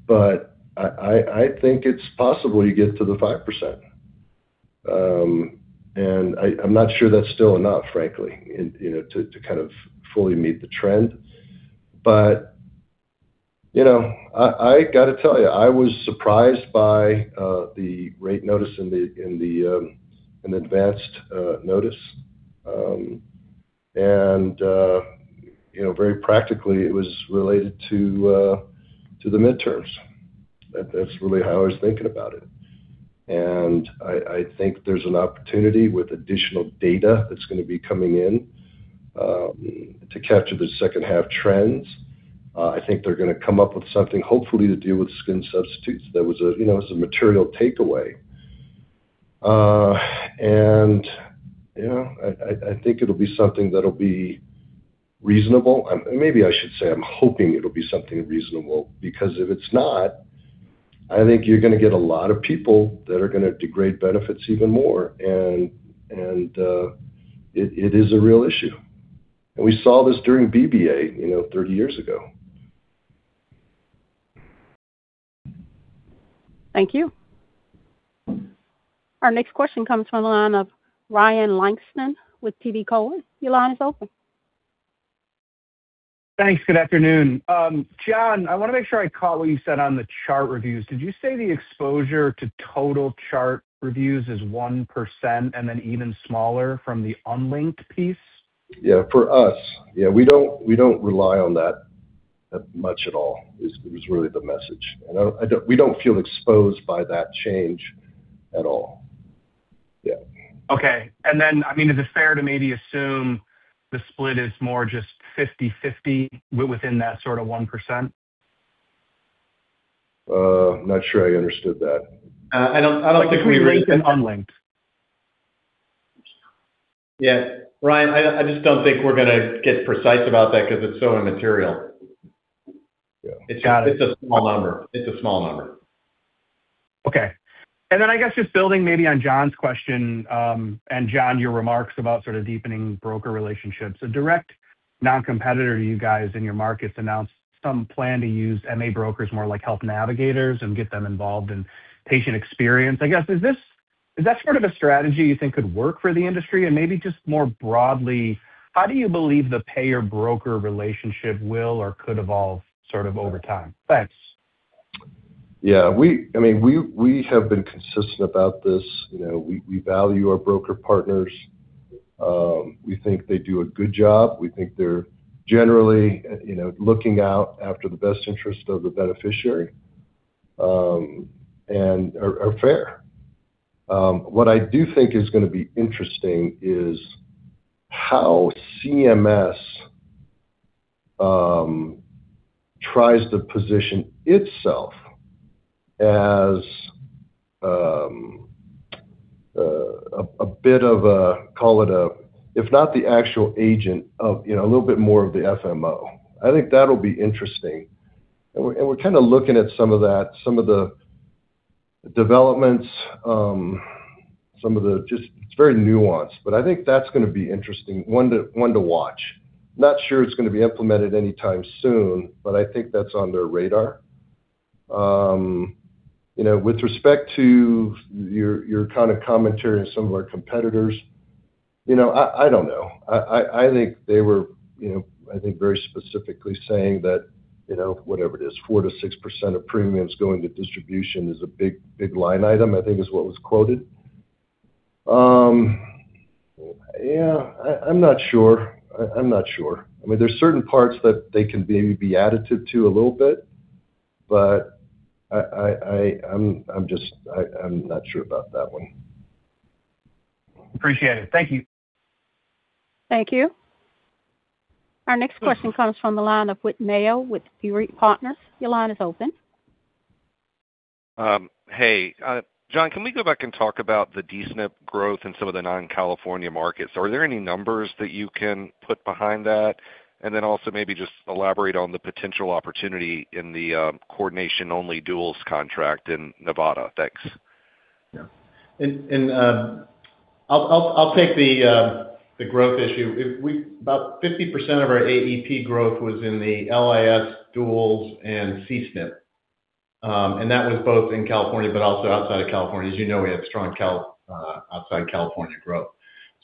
Speaker 2: but I think it's possible you get to the 5%. I'm not sure that's still enough, frankly, in, you know, to kind of fully meet the trend. You know, I got to tell you, I was surprised by the rate notice in the advanced notice. You know, very practically, it was related to the midterms. That's really how I was thinking about it. I think there's an opportunity with additional data that's going to be coming in to capture the second half trends. I think they're going to come up with something, hopefully, to deal with skin substitutes. There was a, you know, it was a material takeaway. You know, I think it'll be something that'll be reasonable. Maybe I should say I'm hoping it'll be something reasonable, because if it's not, I think you're gonna get a lot of people that are gonna degrade benefits even more, and it is a real issue. We saw this during BBA, you know, 30 years ago.
Speaker 1: Thank you. Our next question comes from the line of Ryan Langston with TD Cowen. Your line is open.
Speaker 9: Thanks. Good afternoon. John, I wanna make sure I caught what you said on the chart reviews. Did you say the exposure to total chart reviews is 1% and then even smaller from the unlinked piece?
Speaker 2: Yeah, for us. Yeah, we don't, we don't rely on that much at all, is really the message. We don't feel exposed by that change at all. Yeah.
Speaker 9: Okay. I mean, is it fair to maybe assume the split is more just 50/50 within that sort of 1%?
Speaker 2: Not sure I understood that.
Speaker 3: I don't think.
Speaker 9: Linked and unlinked.
Speaker 3: Yeah. Ryan, I just don't think we're gonna get precise about that because it's so immaterial.
Speaker 9: Got it.
Speaker 3: It's a small number. It's a small number.
Speaker 9: Okay. I guess just building maybe on John's question, and John, your remarks about sort of deepening broker relationships. A direct noncompetitor to you guys in your markets announced some plan to use MA brokers more like health navigators and get them involved in patient experience. I guess, is that sort of a strategy you think could work for the industry? Maybe just more broadly, how do you believe the payer-broker relationship will or could evolve sort of over time? Thanks.
Speaker 2: Yeah, I mean, we have been consistent about this. You know, we value our broker partners. We think they do a good job. We think they're generally, you know, looking out after the best interest of the beneficiary, and are fair. What I do think is gonna be interesting is how CMS tries to position itself as a bit of a, call it a, if not the actual agent of, you know, a little bit more of the FMO. I think that'll be interesting. We're kind of looking at some of that, some of the developments, some of the just... It's very nuanced, but I think that's gonna be interesting, one to watch. Not sure it's gonna be implemented anytime soon, but I think that's on their radar. You know, with respect to your kind of commentary on some of our competitors, you know, I don't know. I think they were, you know, I think very specifically saying that, you know, whatever it is, 4%-6% of premiums going to distribution is a big line item, I think is what was quoted. I'm not sure. I'm not sure. I mean, there's certain parts that they can maybe be additive to a little bit, but I'm just not sure about that one.
Speaker 9: Appreciate it. Thank you.
Speaker 1: Thank you. Our next question comes from the line of Whit Mayo with Leerink Partners. Your line is open.
Speaker 10: Hey, John, can we go back and talk about the D-SNP growth in some of the non-California markets? Are there any numbers that you can put behind that? Maybe just elaborate on the potential opportunity in the coordination-only duals contract in Nevada. Thanks.
Speaker 3: Yeah. I'll take the growth issue. About 50% of our AEP growth was in the LIS, D-SNPs, and C-SNP. That was both in California, but also outside of California. As you know, we have strong Cal outside California growth.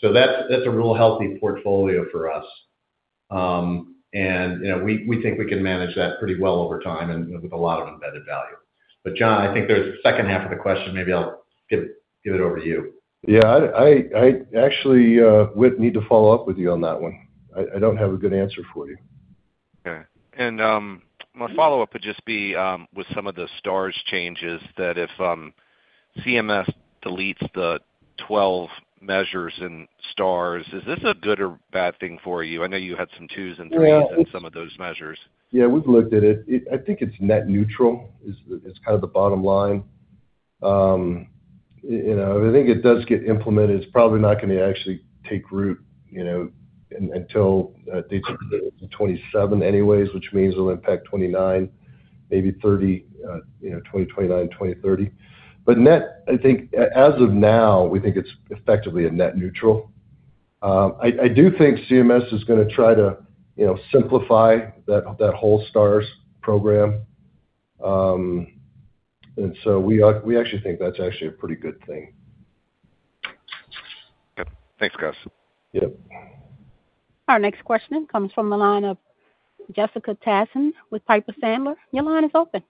Speaker 3: That's a real healthy portfolio for us. You know, we think we can manage that pretty well over time and with a lot of embedded value. John, I think there's a second half of the question. Maybe I'll give it over to you.
Speaker 2: I actually, Whit, need to follow up with you on that one. I don't have a good answer for you.
Speaker 10: Okay. My follow-up would just be, with some of the Stars changes, that if CMS deletes the 12 measures in Stars, is this a good or bad thing for you? I know you had some twos and threes in some of those measures.
Speaker 2: Yeah, we've looked at it. I think it's net neutral, is kind of the bottom line. You know, I think it does get implemented. It's probably not gonna actually take root, you know, until 2027 anyways, which means it'll impact 2029, maybe 2030, you know, 2029, 2030. Net, I think as of now, we think it's effectively a net neutral. I do think CMS is gonna try to, you know, simplify that whole Stars program. So we actually think that's actually a pretty good thing.
Speaker 10: Thanks, guys.
Speaker 2: Yep.
Speaker 1: Our next question comes from the line of Jessica Tassan with Piper Sandler. Your line is open.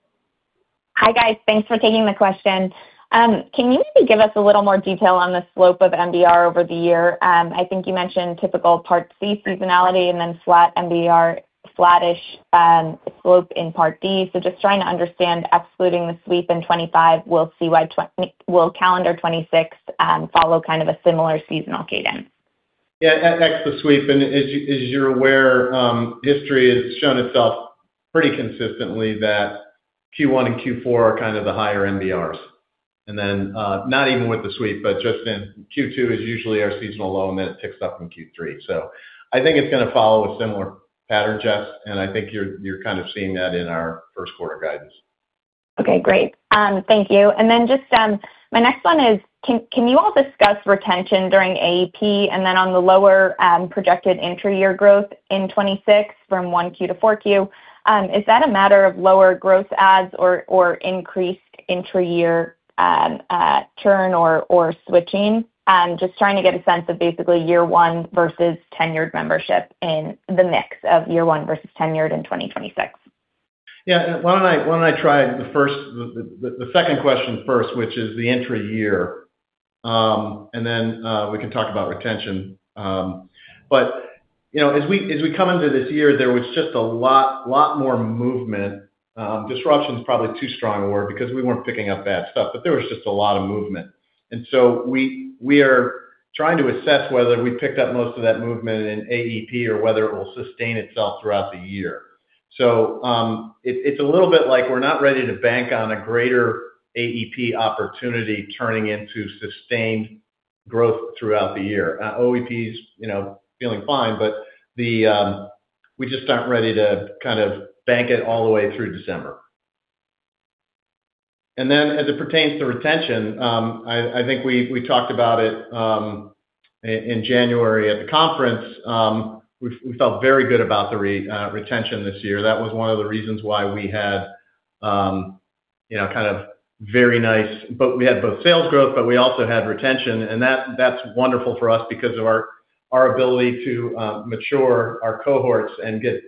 Speaker 11: Hi, guys. Thanks for taking the question. Can you maybe give us a little more detail on the slope of MBR over the year? I think you mentioned typical Part C seasonality and then flat MBR, flattish, slope in Part D. Just trying to understand, excluding the sweep in 2025, will calendar 2026 follow kind of a similar seasonal cadence?
Speaker 3: Yeah, the sweep and as you're aware, history has shown itself pretty consistently that Q1 and Q4 are kind of the higher MBRs. Not even with the sweep, but just in Q2 is usually our seasonal low, and then it picks up in Q3. I think it's gonna follow a similar pattern, Jess, and I think you're kind of seeing that in our first quarter guidance.
Speaker 11: Okay, great. Thank you. My next one is, can you all discuss retention during AEP and then on the lower, projected intra-year growth in 2026 from 1Q to 4Q? Is that a matter of lower growth adds or increased intra-year, churn or switching? Just trying to get a sense of basically year one versus tenured membership in the mix of year one versus tenured in 2026.
Speaker 3: Yeah, why don't I try the first. The second question first, which is the intra-year. We can talk about retention. You know, as we come into this year, there was just a lot more movement. Disruption is probably too strong a word because we weren't picking up bad stuff, but there was just a lot of movement. We are trying to assess whether we picked up most of that movement in AEP or whether it will sustain itself throughout the year. It's a little bit like we're not ready to bank on a greater AEP opportunity turning into sustained growth throughout the year. OEP is, you know, feeling fine, but we're just not ready to kind of bank it all the way through December. Then as it pertains to retention, I think we talked about it in January at the conference. We felt very good about the retention this year. That was one of the reasons why we had, you know, kind of very nice... We had both sales growth, but we also had retention. That's wonderful for us because of our ability to mature our cohorts and get,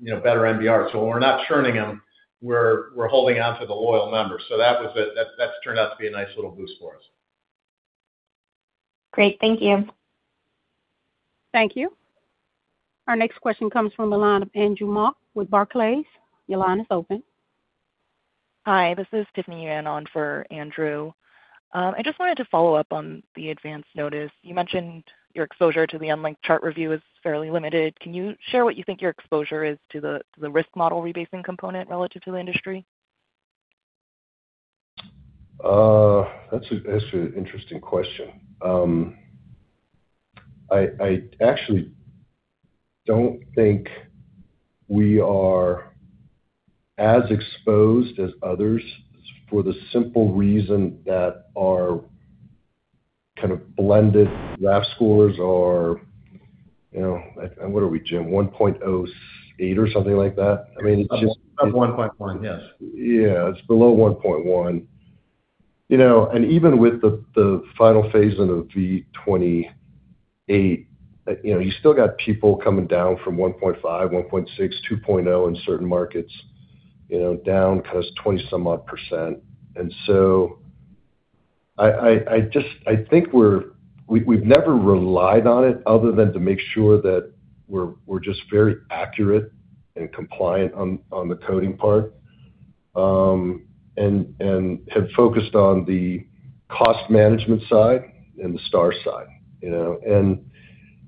Speaker 3: you know, better MBR. We're not churning them. We're holding on to the loyal members. That's turned out to be a nice little boost for us.
Speaker 11: Great. Thank you.
Speaker 1: Thank you. Our next question comes from the line of Andrew Mok with Barclays. Your line is open.
Speaker 12: Hi, this is Tiffany Yuan on for Andrew. I just wanted to follow up on the advance notice. You mentioned your exposure to the unlinked chart review is fairly limited. Can you share what you think your exposure is to the risk model rebasing component relative to the industry?
Speaker 2: That's an interesting question. I actually don't think we are as exposed as others for the simple reason that our kind of blended RAF scores are, you know, like, what are we, Jim, 1.08 or something like that? I mean, it's just.
Speaker 3: About 1.1, yes.
Speaker 2: It's below 1.1. Even with the final phase in of V28, you know, you still got people coming down from 1.5, 1.6, 2.0 in certain markets, you know, down kind of 20 some odd percent. I just I think we've never relied on it other than to make sure that we're just very accurate and compliant on the coding part. Have focused on the cost management side and the Star side, you know.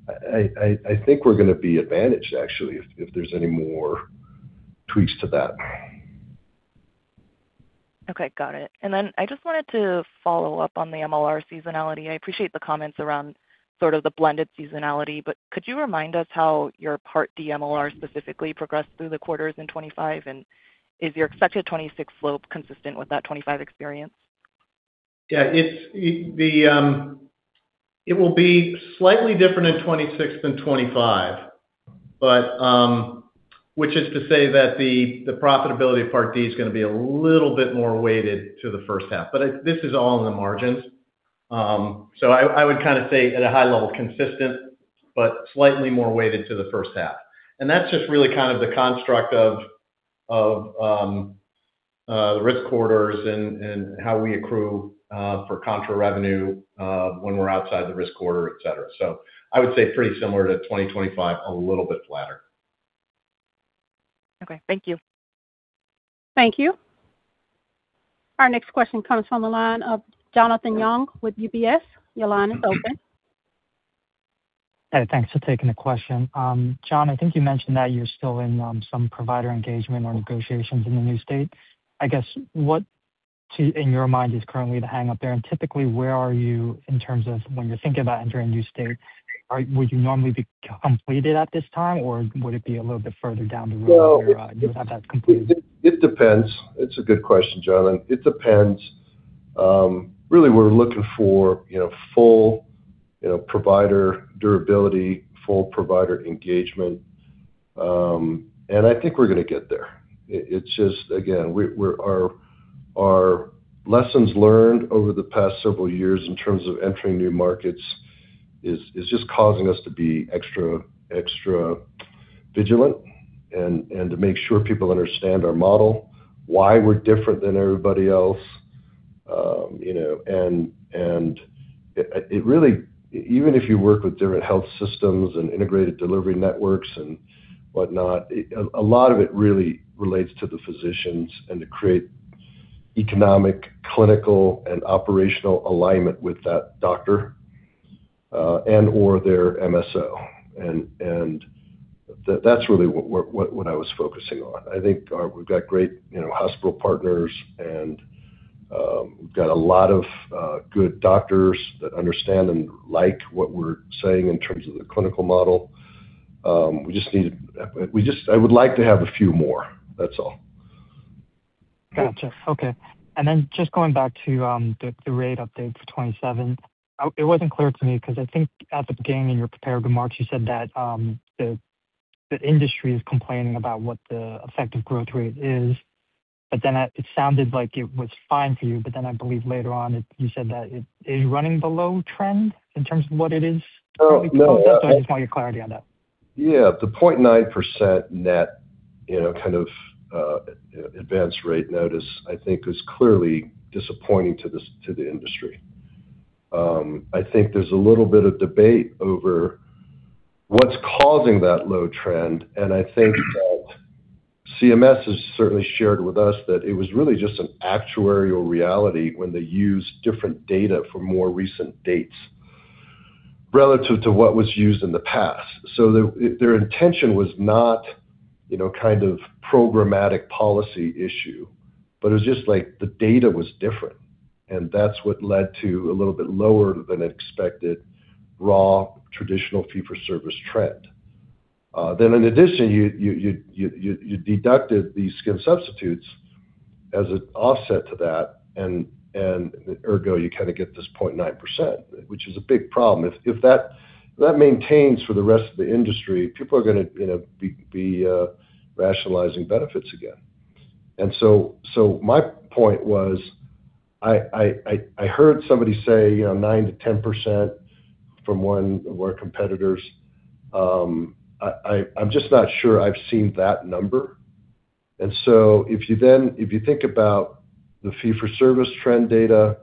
Speaker 2: I think we're gonna be advantaged actually if there's any more tweaks to that.
Speaker 12: Okay, got it. I just wanted to follow up on the MLR seasonality. I appreciate the comments around sort of the blended seasonality. Could you remind us how your Part D MLR specifically progressed through the quarters in 2025? Is your expected 2026 slope consistent with that 2025 experience?
Speaker 3: Yeah, it will be slightly different in 2026 than 2025, but which is to say that the profitability of Part D is gonna be a little bit more weighted to the first half. This is all in the margins. I would kind of say at a high level, consistent, but slightly more weighted to the first half. That's just really kind of the construct of, the risk corridors and how we accrue, for contra revenue, when we're outside the risk quarter, et cetera. I would say pretty similar to 2025, a little bit flatter.
Speaker 12: Okay, thank you.
Speaker 1: Thank you. Our next question comes from the line of Jonathan Yong with UBS. Your line is open.
Speaker 13: Hey, thanks for taking the question. John, I think you mentioned that you're still in some provider engagement or negotiations in the new state. I guess what in your mind is currently the hangup there? Typically, where are you in terms of when you're thinking about entering a new state, would you normally be completed at this time, or would it be a little bit further down the road where you would have that completed?
Speaker 2: It depends. It's a good question, Jonathan. It depends. Really, we're looking for, you know, full, you know, provider durability, full provider engagement. I think we're gonna get there. It's just again, we're our lessons learned over the past several years in terms of entering new markets is just causing us to be extra vigilant and to make sure people understand our model, why we're different than everybody else. You know, and it really. Even if you work with different health systems and integrated delivery networks and whatnot, a lot of it really relates to the physicians and to create Economic, clinical, and operational alignment with that doctor, and or their MSO. That's really what I was focusing on. I think, we've got great, you know, hospital partners, and, we've got a lot of, good doctors that understand and like what we're saying in terms of the clinical model. I would like to have a few more. That's all.
Speaker 13: Gotcha. Okay. Just going back to the rate update for 2027. It wasn't clear to me because I think at the beginning in your prepared remarks, you said that the industry is complaining about what the effective growth rate is. It sounded like it was fine for you. I believe later on, you said that it is running below trend in terms of what it is.
Speaker 3: No, no.
Speaker 13: I just want your clarity on that.
Speaker 2: Yeah. The 0.9% net, you know, kind of advance rate notice, I think is clearly disappointing to the industry. I think there's a little bit of debate over what's causing that low trend, I think that CMS has certainly shared with us that it was really just an actuarial reality when they used different data for more recent dates relative to what was used in the past. Their intention was not, you know, kind of programmatic policy issue, but it was just like the data was different, and that's what led to a little bit lower than expected raw traditional fee-for-service trend. In addition, you deducted these skin substitutes as an offset to that and ergo, you kinda get this 0.9%, which is a big problem. If that maintains for the rest of the industry, people are gonna, you know, be rationalizing benefits again. My point was, I heard somebody say, you know, 9%-10% from one of our competitors. I'm just not sure I've seen that number. If you think about the fee-for-service trend data,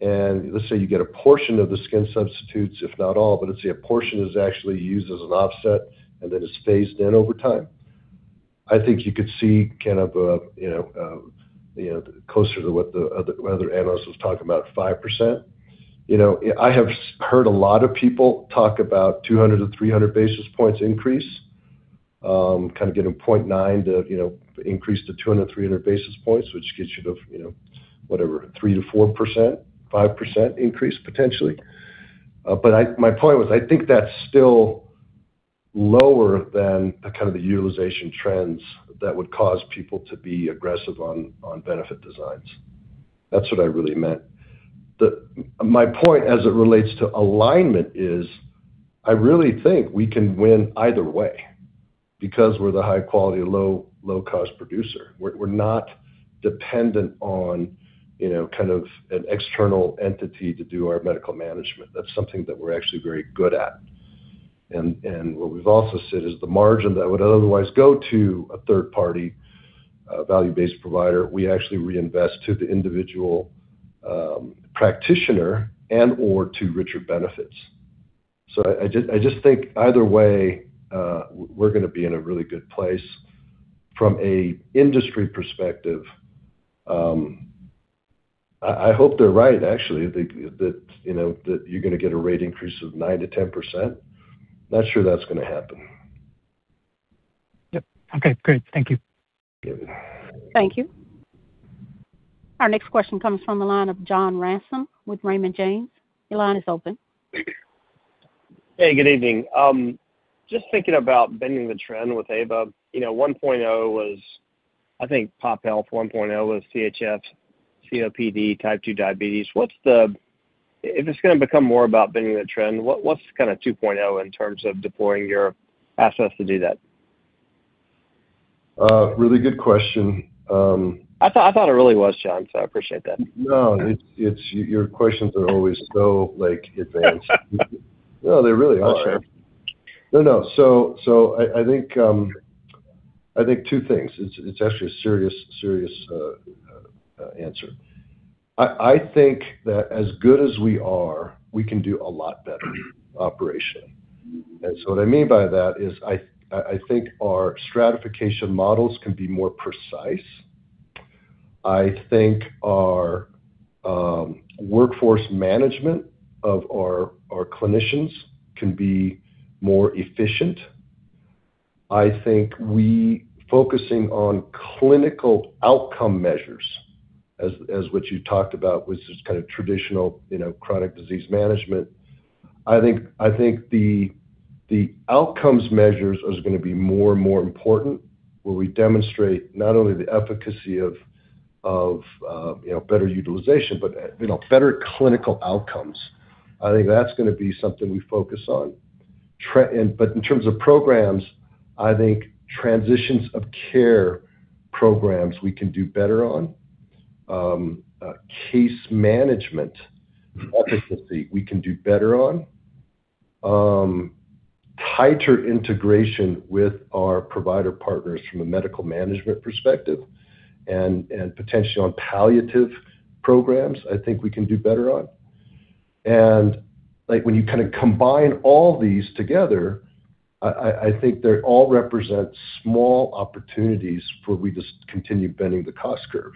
Speaker 2: and let's say you get a portion of the skin substitutes, if not all, but let's say a portion is actually used as an offset and then is phased in over time, I think you could see kind of a, you know, closer to what the other analysts was talking about, 5%. You know, I have heard a lot of people talk about 200 to 300 basis points increase, kinda getting 0.9 to, you know, increase to 200, 300 basis points, which gets you to, you know, whatever, 3%-4%, 5% increase potentially. My point was, I think that's still lower than the kind of the utilization trends that would cause people to be aggressive on benefit designs. That's what I really meant. My point as it relates to Alignment is I really think we can win either way because we're the high-quality, low, low-cost producer. We're not dependent on, you know, kind of an external entity to do our medical management. That's something that we're actually very good at. What we've also said is the margin that would otherwise go to a third-party value-based provider, we actually reinvest to the individual practitioner and or to richer benefits. I just think either way, we're gonna be in a really good place. From an industry perspective, I hope they're right, actually, that, you know, that you're gonna get a rate increase of 9%-10%. Not sure that's gonna happen.
Speaker 13: Yep. Okay. Great. Thank you.
Speaker 2: You bet.
Speaker 1: Thank you. Our next question comes from the line of John Ransom with Raymond James. Your line is open.
Speaker 14: Hey, good evening. Just thinking about bending the trend with AVA. You know, 1.0 was, I think, pop health 1.0 was CHF, COPD, type 2 diabetes. What's If it's gonna become more about bending the trend, what's kinda 2.0 in terms of deploying your assets to do that?
Speaker 2: Really good question.
Speaker 14: I thought it really was, John, so I appreciate that.
Speaker 2: No. It's your questions are always so, like, advanced. No, they really are.
Speaker 14: For sure.
Speaker 2: No, no. I think, I think two things. It's actually a serious answer. I think that as good as we are, we can do a lot better operation. What I mean by that is I think our stratification models can be more precise. I think our workforce management of our clinicians can be more efficient. I think we focusing on clinical outcome measures as what you talked about was just kind of traditional, you know, chronic disease management. I think the outcomes measures is gonna be more and more important, where we demonstrate not only the efficacy of, you know, better utilization, but, you know, better clinical outcomes. I think that's gonna be something we focus on. In terms of programs, I think transitions of care programs we can do better on. Case management efficacy we can do better on. Tighter integration with our provider partners from a medical management perspective and potentially on palliative programs, I think we can do better on. Like when you kind of combine all these together, I think they all represent small opportunities where we just continue bending the cost curve.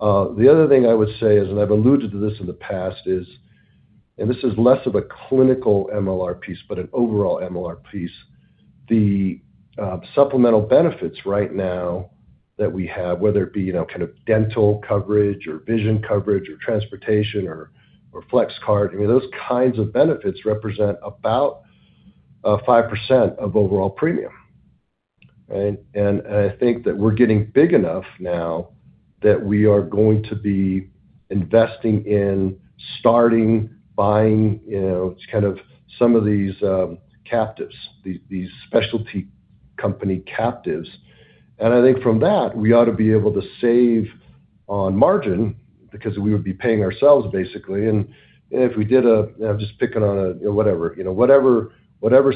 Speaker 2: The other thing I would say is, and I've alluded to this in the past is, and this is less of a clinical MLR piece, but an overall MLR piece. The supplemental benefits right now that we have, whether it be, you know, kind of dental coverage or vision coverage or transportation or flex card, I mean, those kinds of benefits represent about 5% of overall premium. Right? I think that we're getting big enough now that we are going to be investing in starting buying kind of some of these captives, these specialty company captives. I think from that, we ought to be able to save on margin because we would be paying ourselves basically. If we did a, just picking on a, whatever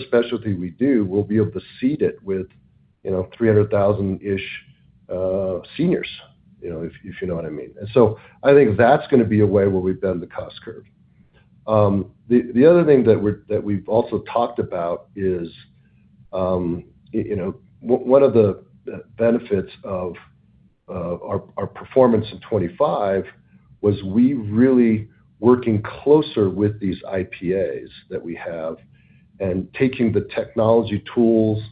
Speaker 2: specialty we do, we'll be able to seed it with 300,000-ish seniors, if you know what I mean. I think that's gonna be a way where we bend the cost curve. The other thing that we've also talked about is, you know, one of the benefits of our performance in 2025 was we really working closer with these IPAs that we have and taking the technology tools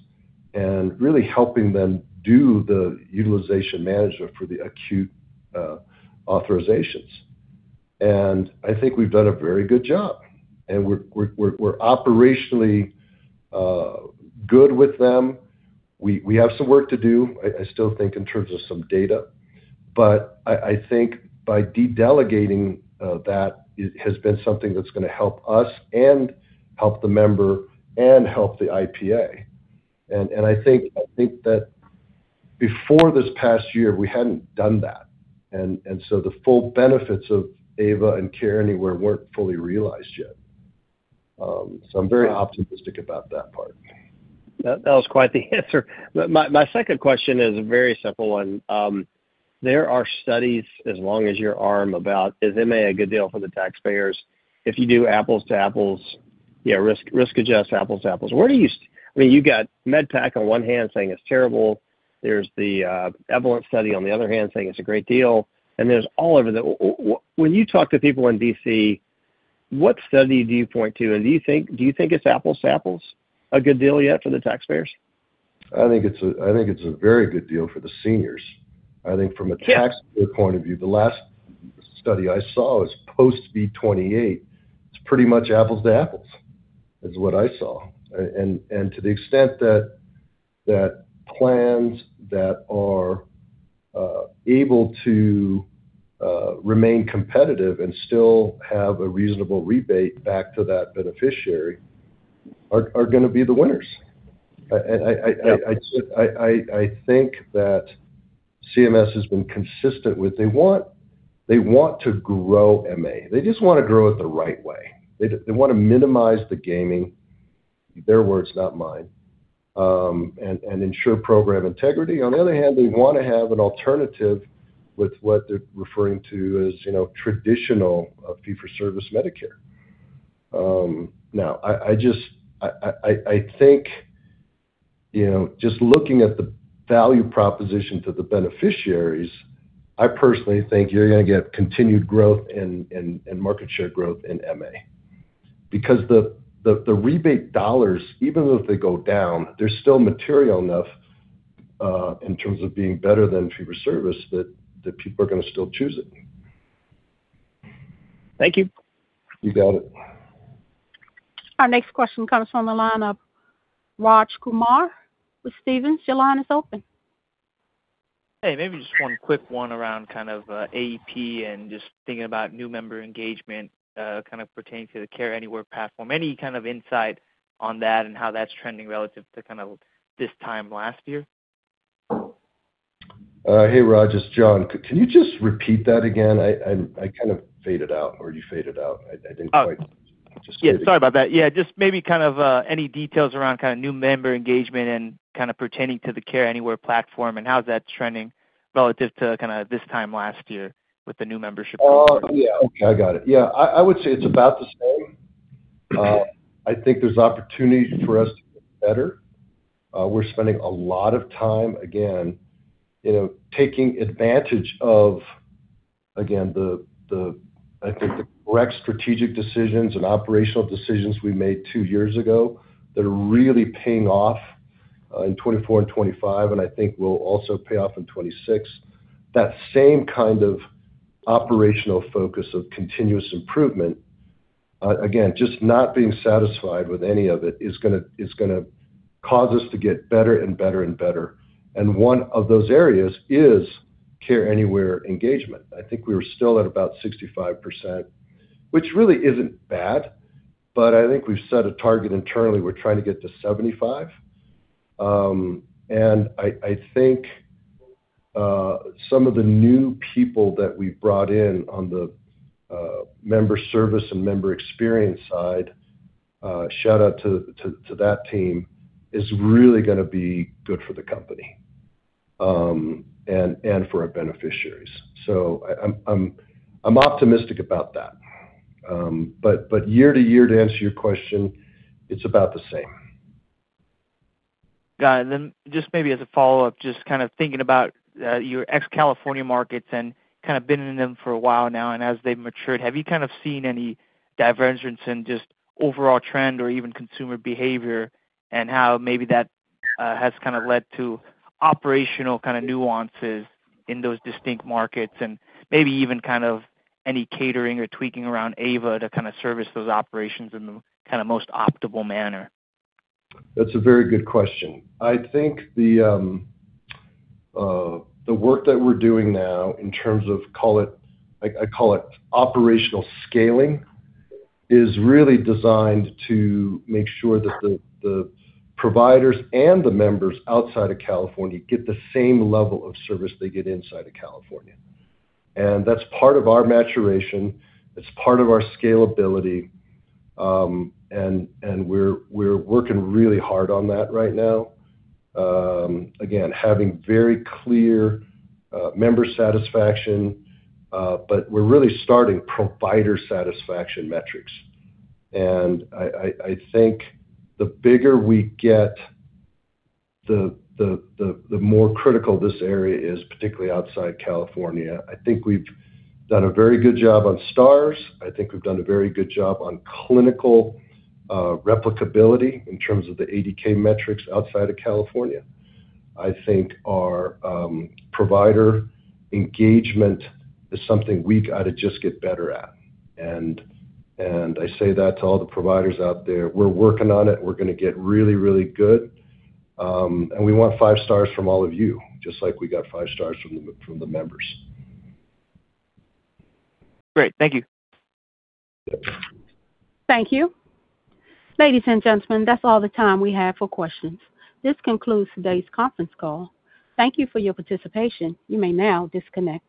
Speaker 2: and really helping them do the utilization management for the acute authorizations. I think we've done a very good job, and we're operationally good with them. We have some work to do, I still think in terms of some data, but I think by de-delegating that has been something that's gonna help us and help the member and help the IPA. I think that before this past year, we hadn't done that. The full benefits of AVA and Care Anywhere weren't fully realized yet. I'm very optimistic about that part.
Speaker 14: That was quite the answer. My second question is a very simple one. There are studies as long as your arm about, is MA a good deal for the taxpayers? If you do apples to apples, yeah, risk adjust apples to apples. Where do you I mean, you got MedPAC on one hand saying it's terrible. There's the Avalere study on the other hand saying it's a great deal. There's all over the... When you talk to people in D.C., what study do you point to? Do you think it's apples to apples, a good deal yet for the taxpayers?
Speaker 2: I think it's a very good deal for the seniors.
Speaker 14: Yeah.
Speaker 2: I think from a taxpayer point of view, the last study I saw is post-V28. It's pretty much apples to apples, is what I saw. And to the extent that plans that are able to remain competitive and still have a reasonable rebate back to that beneficiary are gonna be the winners. And I said I think that CMS has been consistent with they want to grow MA. They just wanna grow it the right way. They wanna minimize the gaming, their words, not mine, and ensure program integrity. On the other hand, they wanna have an alternative with what they're referring to as, you know, traditional fee-for-service Medicare. Now, I just think, you know, just looking at the value proposition to the beneficiaries, I personally think you're gonna get continued growth and market share growth in MA. The rebate dollars, even if they go down, they're still material enough in terms of being better than fee for service, that people are gonna still choose it.
Speaker 14: Thank you.
Speaker 2: You got it.
Speaker 1: Our next question comes from the line of Raj Kumar with Stephens. Your line is open.
Speaker 15: Hey, maybe just one quick one around kind of AEP and just thinking about new member engagement, kind of pertaining to the Care Anywhere platform. Any kind of insight on that and how that's trending relative to kind of this time last year?
Speaker 2: Hey, Raj. It's John. Can you just repeat that again? I'm kind of faded out or you faded out. I didn't quite...
Speaker 15: Oh.
Speaker 2: Just kidding.
Speaker 15: Yeah, sorry about that. Yeah, just maybe kind of any details around kind of new member engagement and kind of pertaining to the Care Anywhere platform and how that's trending relative to kinda this time last year with the new membership?
Speaker 2: Oh, yeah. Okay, I got it. Yeah. I would say it's about the same. I think there's opportunities for us to get better. We're spending a lot of time, again, you know, taking advantage of, again, the, I think, the correct strategic decisions and operational decisions we made two years ago that are really paying off in 2024 and 2025, and I think will also pay off in 2026. That same kind of operational focus of continuous improvement, again, just not being satisfied with any of it is gonna cause us to get better and better and better. One of those areas is Care Anywhere engagement. I think we were still at about 65%, which really isn't bad, but I think we've set a target internally. We're trying to get to 75%. I think, some of the new people that we brought in on the member service and member experience side, shout out to that team, is really gonna be good for the company. For our beneficiaries. I'm optimistic about that. Year to year, to answer your question, it's about the same.
Speaker 15: Got it. Just maybe as a follow-up, just kind of thinking about your ex-California markets and kind of been in them for a while now, and as they've matured, have you kind of seen any divergence in just overall trend or even consumer behavior and how maybe that has kinda led to operational kinda nuances in those distinct markets and maybe even kind of any catering or tweaking around AVA to kinda service those operations in the kinda most optimal manner?
Speaker 2: That's a very good question. I think the work that we're doing now in terms of call it... I call it operational scaling, is really designed to make sure that the providers and the members outside of California get the same level of service they get inside of California. That's part of our maturation, it's part of our scalability, and we're working really hard on that right now. Again, having very clear member satisfaction, but we're really starting provider satisfaction metrics. I think the bigger we get, the more critical this area is, particularly outside California. I think we've done a very good job on Stars. I think we've done a very good job on clinical replicability in terms of the ADK metrics outside of California. I think our provider engagement is something we gotta just get better at. I say that to all the providers out there. We're working on it. We're gonna get really, really good. We want five stars from all of you, just like we got five stars from the members.
Speaker 15: Great. Thank you.
Speaker 1: Thank you. Ladies and gentlemen, that's all the time we have for questions. This concludes today's conference call. Thank you for your participation. You may now disconnect.